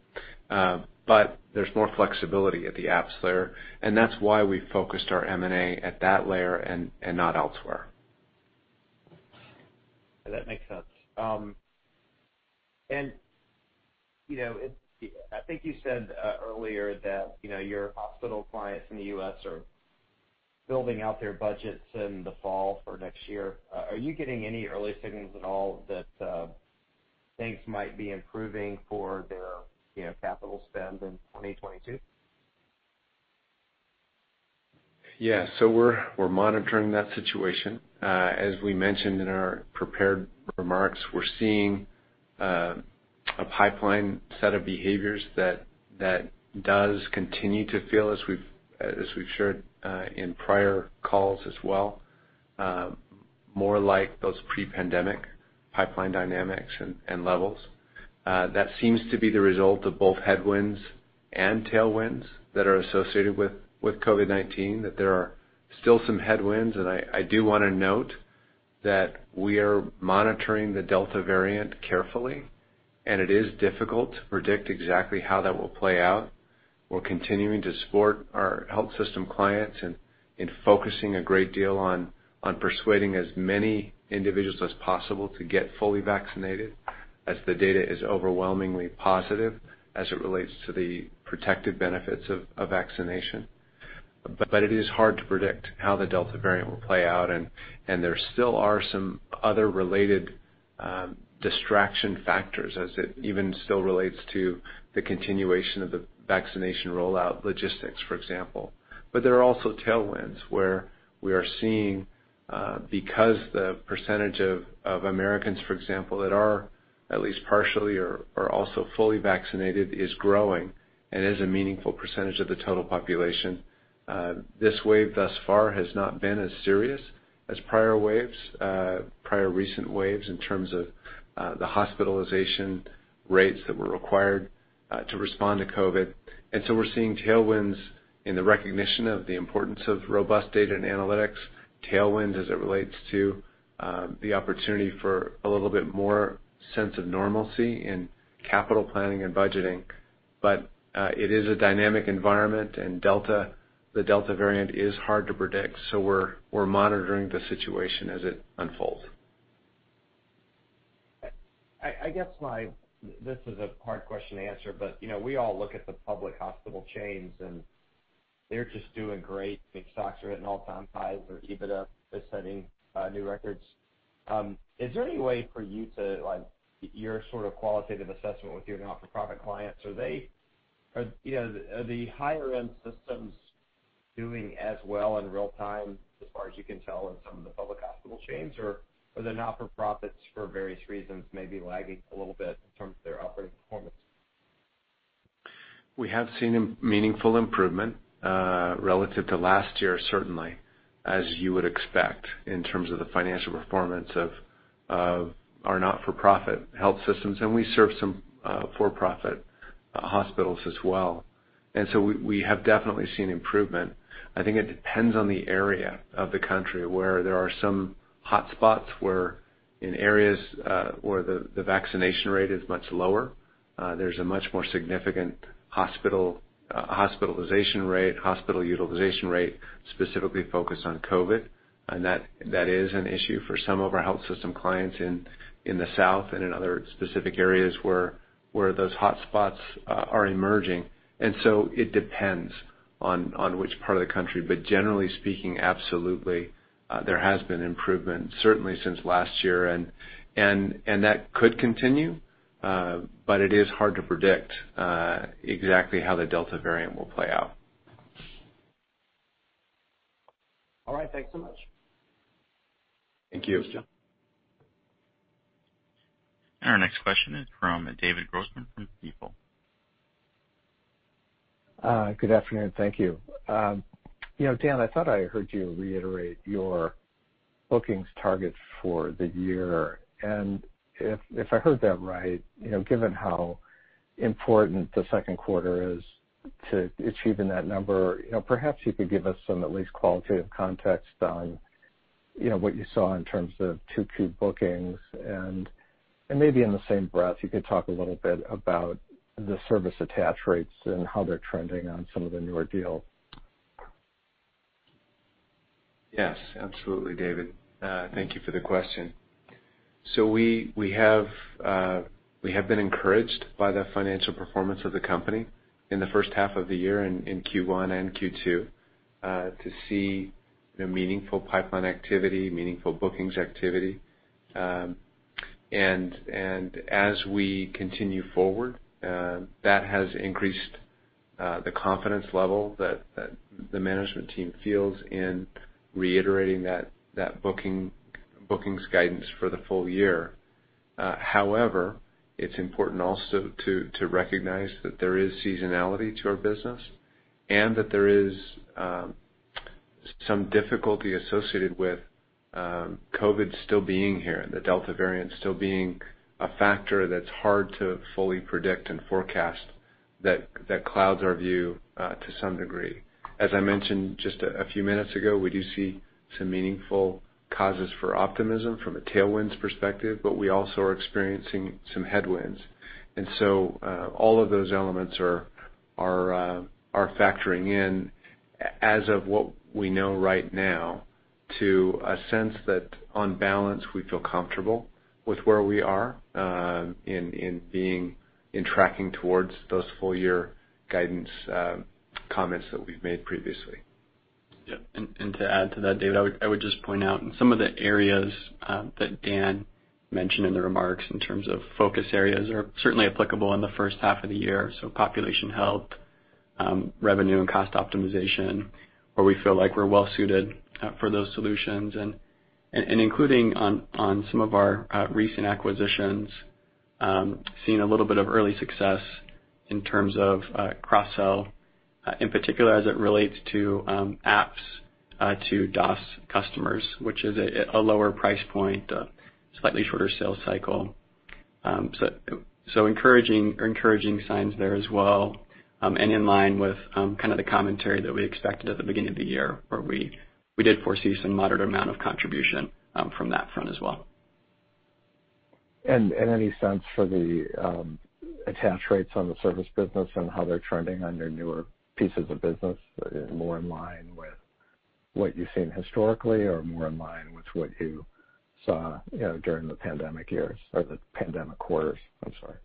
C: There's more flexibility at the apps layer, and that's why we focused our M&A at that layer and not elsewhere.
K: That makes sense. I think you said earlier that your hospital clients in the U.S. are building out their budgets in the fall for next year. Are you getting any early signals at all that things might be improving for their capital spend in 2022?
C: Yeah. We're monitoring that situation. As we mentioned in our prepared remarks, we're seeing a pipeline set of behaviors that does continue to feel, as we've shared in prior calls as well, more like those pre-pandemic pipeline dynamics and levels. That seems to be the result of both headwinds and tailwinds that are associated with COVID-19, that there are still some headwinds. I do want to note that we are monitoring the Delta variant carefully, and it is difficult to predict exactly how that will play out. We're continuing to support our health system clients and focusing a great deal on persuading as many individuals as possible to get fully vaccinated as the data is overwhelmingly positive as it relates to the protective benefits of vaccination. It is hard to predict how the Delta variant will play out, and there still are some other related distraction factors as it even still relates to the continuation of the vaccination rollout logistics, for example. There are also tailwinds where we are seeing because the percentage of Americans, for example, that are at least partially or also fully vaccinated is now growing and is a meaningful percentage of the total population. This wave thus far has not been as serious as prior recent waves in terms of the hospitalization rates that were required to respond to COVID. We're seeing tailwinds in the recognition of the importance of robust data and analytics, tailwinds as it relates to the opportunity for a little bit more sense of normalcy in capital planning and budgeting. It is a dynamic environment and the Delta variant is hard to predict. We're monitoring the situation as it unfolds.
K: I guess this is a hard question to answer. We all look at the public hospital chains and they're just doing great. I think stocks are at an all-time high. Their EBITDA is setting new records. Is there any way for you to, your sort of qualitative assessment with your not-for-profit clients, are the higher end systems doing as well in real-time as far as you can tell in some of the public hospital chains? Are the not-for-profits for various reasons maybe lagging a little bit in terms of their operating performance?
C: We have seen a meaningful improvement, relative to last year certainly, as you would expect, in terms of the financial performance of our not-for-profit health systems and we serve some for-profit hospitals as well. We have definitely seen improvement. I think it depends on the area of the country where there are some hotspots, where in areas where the vaccination rate is much lower, there's a much more significant hospitalization rate, hospital utilization rate, specifically focused on COVID. That is an issue for some of our health system clients in the South and in other specific areas where those hotspots are emerging. It depends on which part of the country. Generally speaking, absolutely, there has been improvement certainly since last year and that could continue. It is hard to predict exactly how the Delta variant will play out.
K: All right. Thanks so much.
C: Thank you.
L: Thank you.
A: Our next question is from David Grossman from Stifel.
L: Good afternoon. Thank you. Dan, I thought I heard you reiterate your bookings targets for the year, and if I heard that right, given how important the second quarter is to achieving that number, perhaps you could give us some at least qualitative context on what you saw in terms of 2Q bookings and, maybe in the same breath, you could talk a little bit about the service attach rates and how they're trending on some of the newer deals.
C: Yes, absolutely, David. Thank you for the question. We have been encouraged by the financial performance of the company in the first half of the year in Q1 and Q2 to see meaningful pipeline activity, meaningful bookings activity. As we continue forward, that has increased the confidence level that the management team feels in reiterating that bookings guidance for the full year. However, it's important also to recognize that there is seasonality to our business and that there is some difficulty associated with COVID still being here, the Delta variant still being a factor that's hard to fully predict and forecast that clouds our view to some degree. As I mentioned just a few minutes ago, we do see some meaningful causes for optimism from a tailwinds perspective, but we also are experiencing some headwinds. All of those elements are factoring in as of what we know right now to a sense that on balance, we feel comfortable with where we are in tracking towards those full-year guidance comments that we've made previously.
L: Yeah.
D: To add to that, David, I would just point out in some of the areas that Dan mentioned in the remarks in terms of focus areas are certainly applicable in the first half of the year. Population health, revenue and cost optimization, where we feel like we're well suited for those solutions and including on some of our recent acquisitions, seeing a little bit of early success in terms of cross-sell, in particular as it relates to apps to DaaS customers, which is a lower price point, slightly shorter sales cycle. Encouraging signs there as well, and in line with kind of the commentary that we expected at the beginning of the year where we did foresee some moderate amount of contribution from that front as well.
L: Any sense for the attach rates on the service business and how they're trending on your newer pieces of business, more in line with what you've seen historically or more in line with what you saw during the pandemic years or the pandemic quarters? I'm sorry.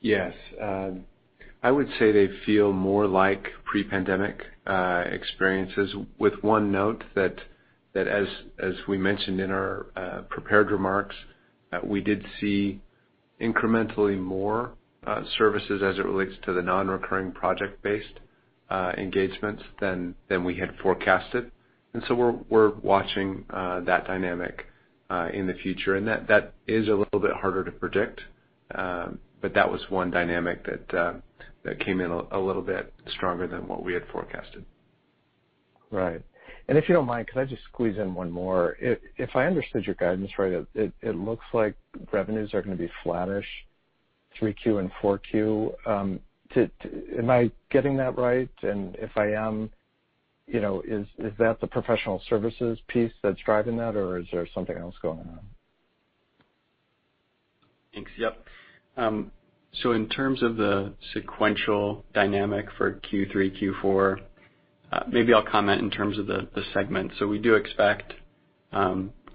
C: Yes. I would say they feel more like pre-pandemic experiences with one note that as we mentioned in our prepared remarks, we did see incrementally more services as it relates to the non-recurring project-based engagements than we had forecasted and so we're watching that dynamic in the future, and that is a little bit harder to predict and that was one dynamic that came in a little bit stronger than what we had forecasted.
L: If you don't mind, could I just squeeze in one more? If I understood your guidance right, it looks like revenues are going to be flattish 3Q and 4Q. Am I getting that right? If I am, is that the Professional Services piece that's driving that or is there something else going on?
D: Thanks. Yep. In terms of the sequential dynamic for Q3, Q4. Maybe I'll comment in terms of the segment. We do expect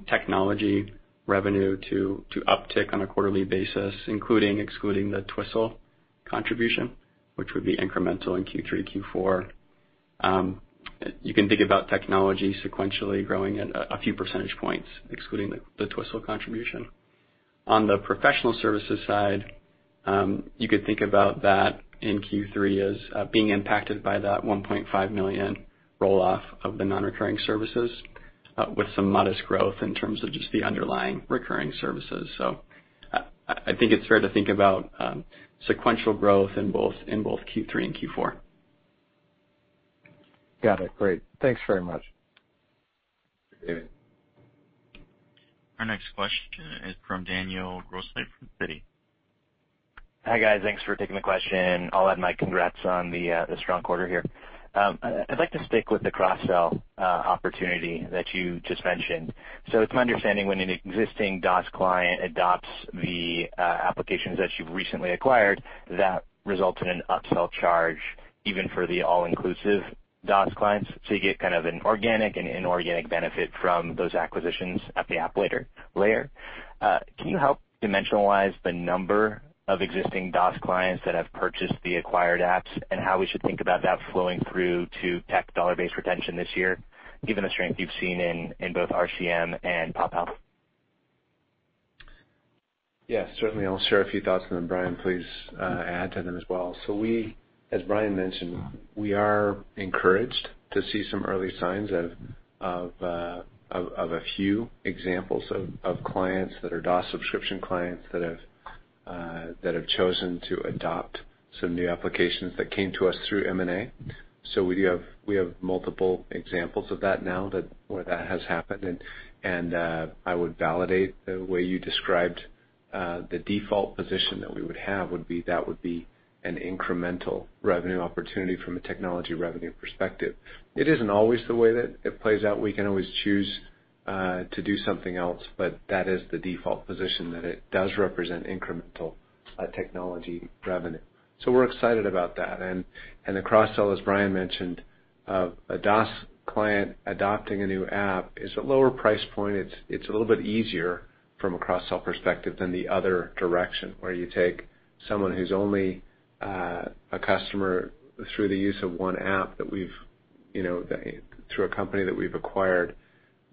D: technology revenue to uptick on a quarterly basis, including excluding the Twistle contribution, which would be incremental in Q3, Q4. You can think about technology sequentially growing at a few percentage points, excluding the Twistle contribution. On the Professional Services side, you could think about that in Q3 as being impacted by that $1.5 million roll-off of the non-recurring services with some modest growth in terms of just the underlying recurring services. I think it's fair to think about sequential growth in both Q3 and Q4.
L: Got it. Great. Thanks very much.
A: Thank you, David. Our next question is from Daniel Grosslight from Citi.
M: Hi, guys. Thanks for taking the question. I'll add my congrats on the strong quarter here. I'd like to stick with the cross-sell opportunity that you just mentioned. It's my understanding when an existing DOS client adopts the applications that you've recently acquired, that results in an upsell charge, even for the all-inclusive DOS clients. You get an organic and inorganic benefit from those acquisitions at the app layer. Can you help dimensionalize the number of existing DOS clients that have purchased the acquired apps and how we should think about that flowing through to tech dollar-based retention this year, given the strength you've seen in both RCM and PopHealth?
C: Yeah, certainly. I'll share a few thoughts, and then Bryan, please add to them as well. We, as Bryan mentioned, we are encouraged to see some early signs of a few examples of clients that are DaaS subscription clients that have chosen to adopt some new applications that came to us through M&A. We have multiple examples of that now where that has happened, and I would validate the way you described the default position that we would have would be that would be an incremental revenue opportunity from a technology revenue perspective. It isn't always the way that it plays out. We can always choose to do something else, but that is the default position, that it does represent incremental technology revenue. We're excited about that. The cross-sell, as Bryan mentioned, a DaaS client adopting a new app is a lower price point. It's a little bit easier from a cross-sell perspective than the other direction, where you take someone who's only a customer through the use of one app through a company that we've acquired.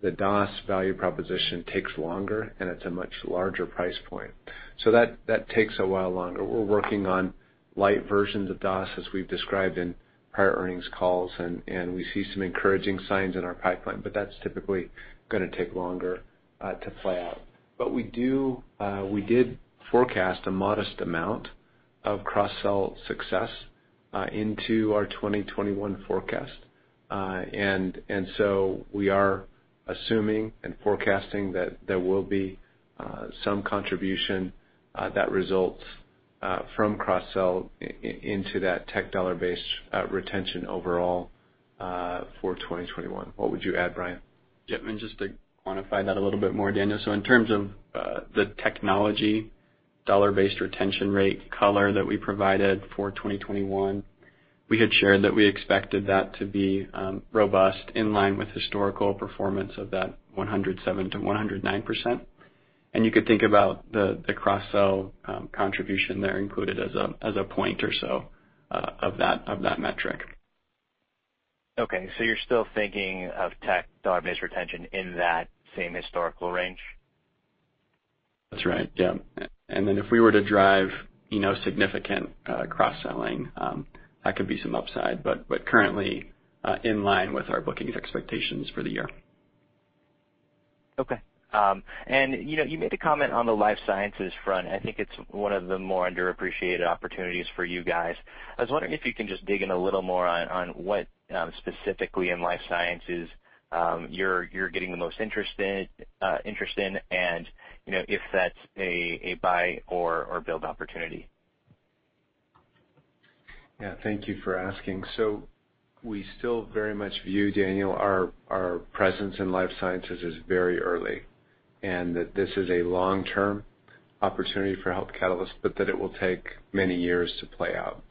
C: The DaaS value proposition takes longer, and it's a much larger price point, so that takes a while longer. We're working on light versions of DaaS, as we've described in prior earnings calls, and we see some encouraging signs in our pipeline. That's typically going to take longer to play out. We did forecast a modest amount of cross-sell success into our 2021 forecast. We are assuming and forecasting that there will be some contribution that results from cross-sell into that tech dollar base retention overall for 2021. What would you add, Bryan?
D: Yeah, just to quantify that a little bit more, Daniel. In terms of the technology dollar-based retention rate color that we provided for 2021, we had shared that we expected that to be robust, in line with historical performance of that 107%-109%. You could think about the cross-sell contribution there included as 1 point or so of that metric.
M: Okay, you're still thinking of tech dollar-based retention in that same historical range?
D: That's right. Yeah. If we were to drive significant cross-selling, that could be some upside, but currently in line with our booking expectations for the year.
M: Okay. You made a comment on the life sciences front. I think it's one of the more underappreciated opportunities for you guys. I was wondering if you can just dig in a little more on what specifically in life sciences you're getting the most interest in, and if that's a buy or build opportunity.
C: Yeah. Thank you for asking. We still very much view, Daniel, our presence in life sciences as very early, and that this is a long-term opportunity for Health Catalyst, but that it will take many years to play out.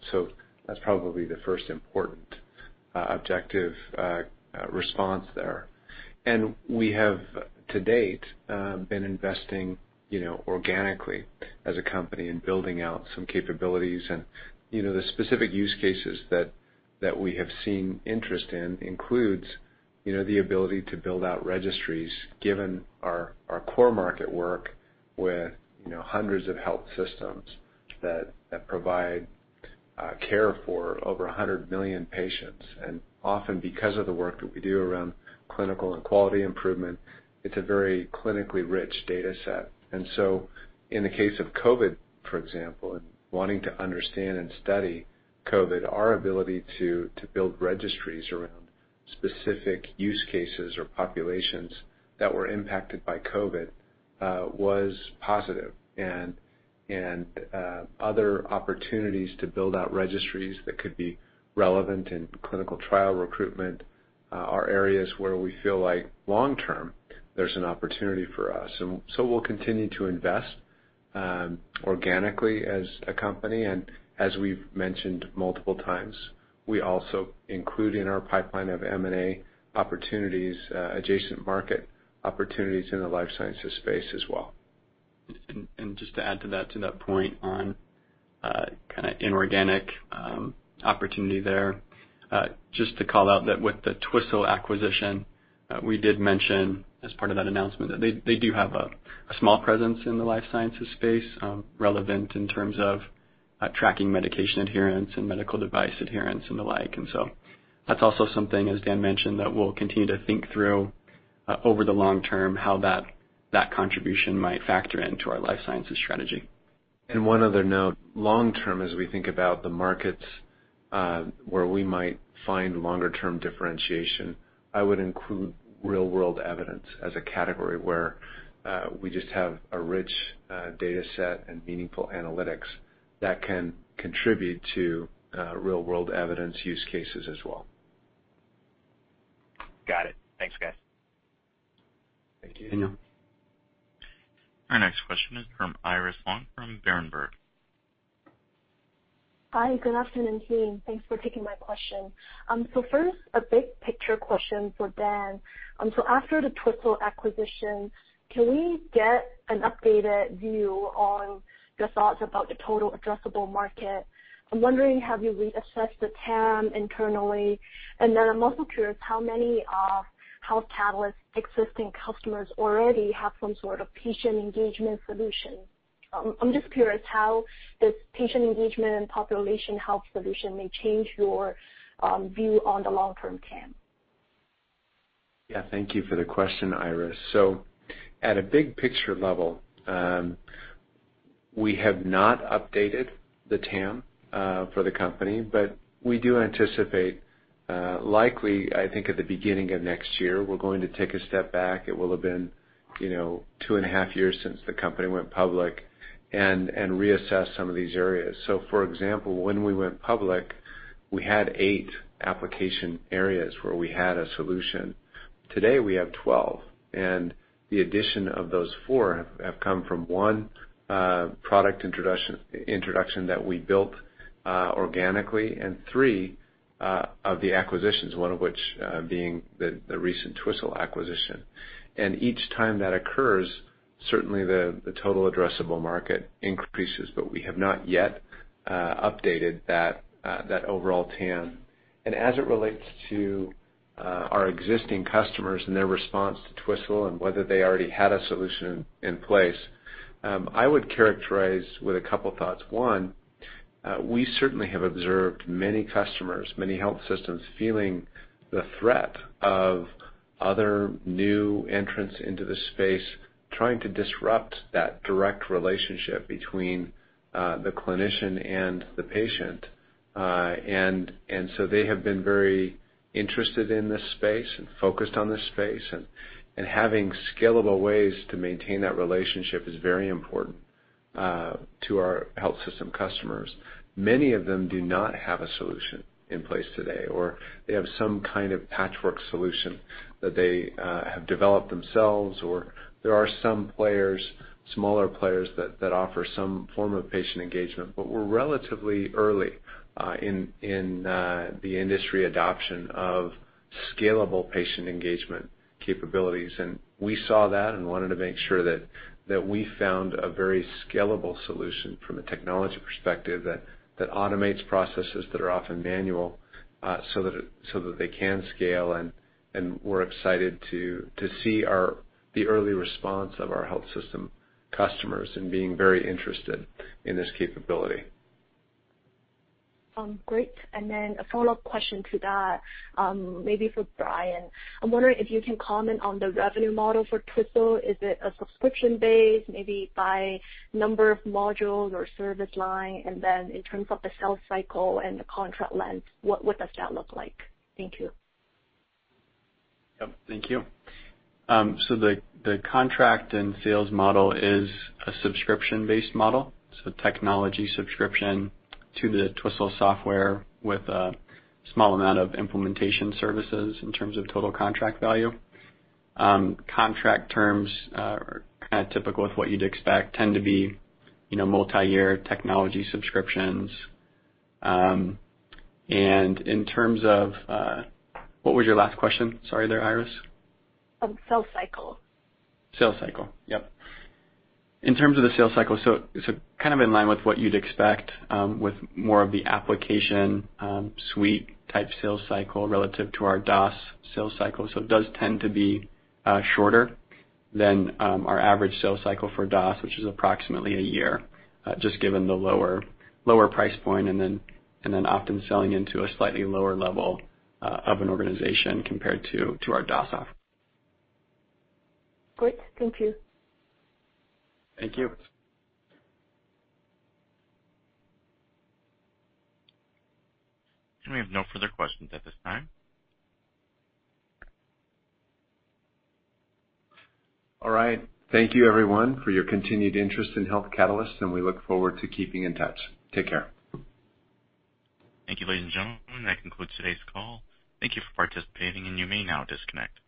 C: That's probably the first important objective response there. We have, to date, been investing organically as a company in building out some capabilities. The specific use cases that we have seen interest in includes the ability to build out registries, given our core market work with hundreds of health systems that provide care for over 100 million patients. Often because of the work that we do around clinical and quality improvement, it's a very clinically rich data set. In the case of COVID, for example, and wanting to understand and study COVID, our ability to build registries around specific use cases or populations that were impacted by COVID was positive. Other opportunities to build out registries that could be relevant in clinical trial recruitment are areas where we feel like long-term, there's an opportunity for us. We'll continue to invest organically as a company, and as we've mentioned multiple times, we also include in our pipeline of M&A opportunities, adjacent market opportunities in the life sciences space as well.
D: Just to add to that point on kind of inorganic opportunity there. Just to call out that with the Twistle acquisition, we did mention as part of that announcement that they do have a small presence in the life sciences space, relevant in terms of tracking medication adherence and medical device adherence and the like. That's also something, as Dan mentioned, that we'll continue to think through over the long term, how that contribution might factor into our life sciences strategy.
C: One other note, long term, as we think about the markets, where we might find longer term differentiation, I would include real world evidence as a category where we just have a rich data set and meaningful analytics that can contribute to real world evidence use cases as well.
M: Got it. Thanks, guys.
C: Thank you.
D: Thank you.
A: Our next question is from Iris Long from Berenberg.
N: Hi, good afternoon, team. Thanks for taking my question. First, a big picture question for Dan. After the Twistle acquisition, can we get an updated view on your thoughts about the total addressable market? I'm wondering, have you reassessed the TAM internally? Then I'm also curious how many of Health Catalyst's existing customers already have some sort of patient engagement solution. I'm just curious how this patient engagement and population health solution may change your view on the long-term TAM.
C: Yeah, thank you for the question, Iris. At a big picture level, we have not updated the TAM for the company, but we do anticipate, likely, I think at the beginning of next year, we're going to take a step back. It will have been 2.5 years since the company went public and reassess some of these areas. For example, when we went public, we had eight application areas where we had a solution. Today we have 12, and the addition of those four have come from one product introduction that we built organically, and three of the acquisitions, one of which being the recent Twistle acquisition. Each time that occurs, certainly the total addressable market increases, but we have not yet updated that overall TAM. As it relates to our existing customers and their response to Twistle and whether they already had a solution in place, I would characterize with a couple thoughts. One, we certainly have observed many customers, many health systems, feeling the threat of other new entrants into the space trying to disrupt that direct relationship between the clinician and the patient. They have been very interested in this space and focused on this space and having scalable ways to maintain that relationship is very important to our health system customers. Many of them do not have a solution in place today, or they have some kind of patchwork solution that they have developed themselves, or there are some players, smaller players, that offer some form of patient engagement. We're relatively early in the industry adoption of scalable patient engagement capabilities, and we saw that and wanted to make sure that we found a very scalable solution from a technology perspective that automates processes that are often manual, so that they can scale and we're excited to see the early response of our health system customers and being very interested in this capability.
N: Great. Then a follow-up question to that, maybe for Bryan. I'm wondering if you can comment on the revenue model for Twistle. Is it a subscription base? Maybe by number of modules or service line, and then in terms of the sales cycle and the contract length, what does that look like? Thank you.
D: Yep, thank you. The contract and sales model is a subscription-based model. Technology subscription to the Twistle software with a small amount of implementation services in terms of total contract value. Contract terms are kind of typical with what you'd expect, tend to be multi-year technology subscriptions. In terms of, what was your last question? Sorry there, Iris.
N: Sales cycle.
D: Sales cycle. Yep. In terms of the sales cycle, it's kind of in line with what you'd expect with more of the application suite type sales cycle relative to our DaaS sales cycle. It does tend to be shorter than our average sales cycle for DaaS, which is approximately a year, just given the lower price point and then often selling into a slightly lower level of an organization compared to our DaaS offering.
N: Great. Thank you.
D: Thank you.
A: We have no further questions at this time.
B: All right. Thank you everyone for your continued interest in Health Catalyst. We look forward to keeping in touch. Take care.
A: Thank you, ladies and gentlemen. That concludes today's call. Thank you for participating, and you may now disconnect.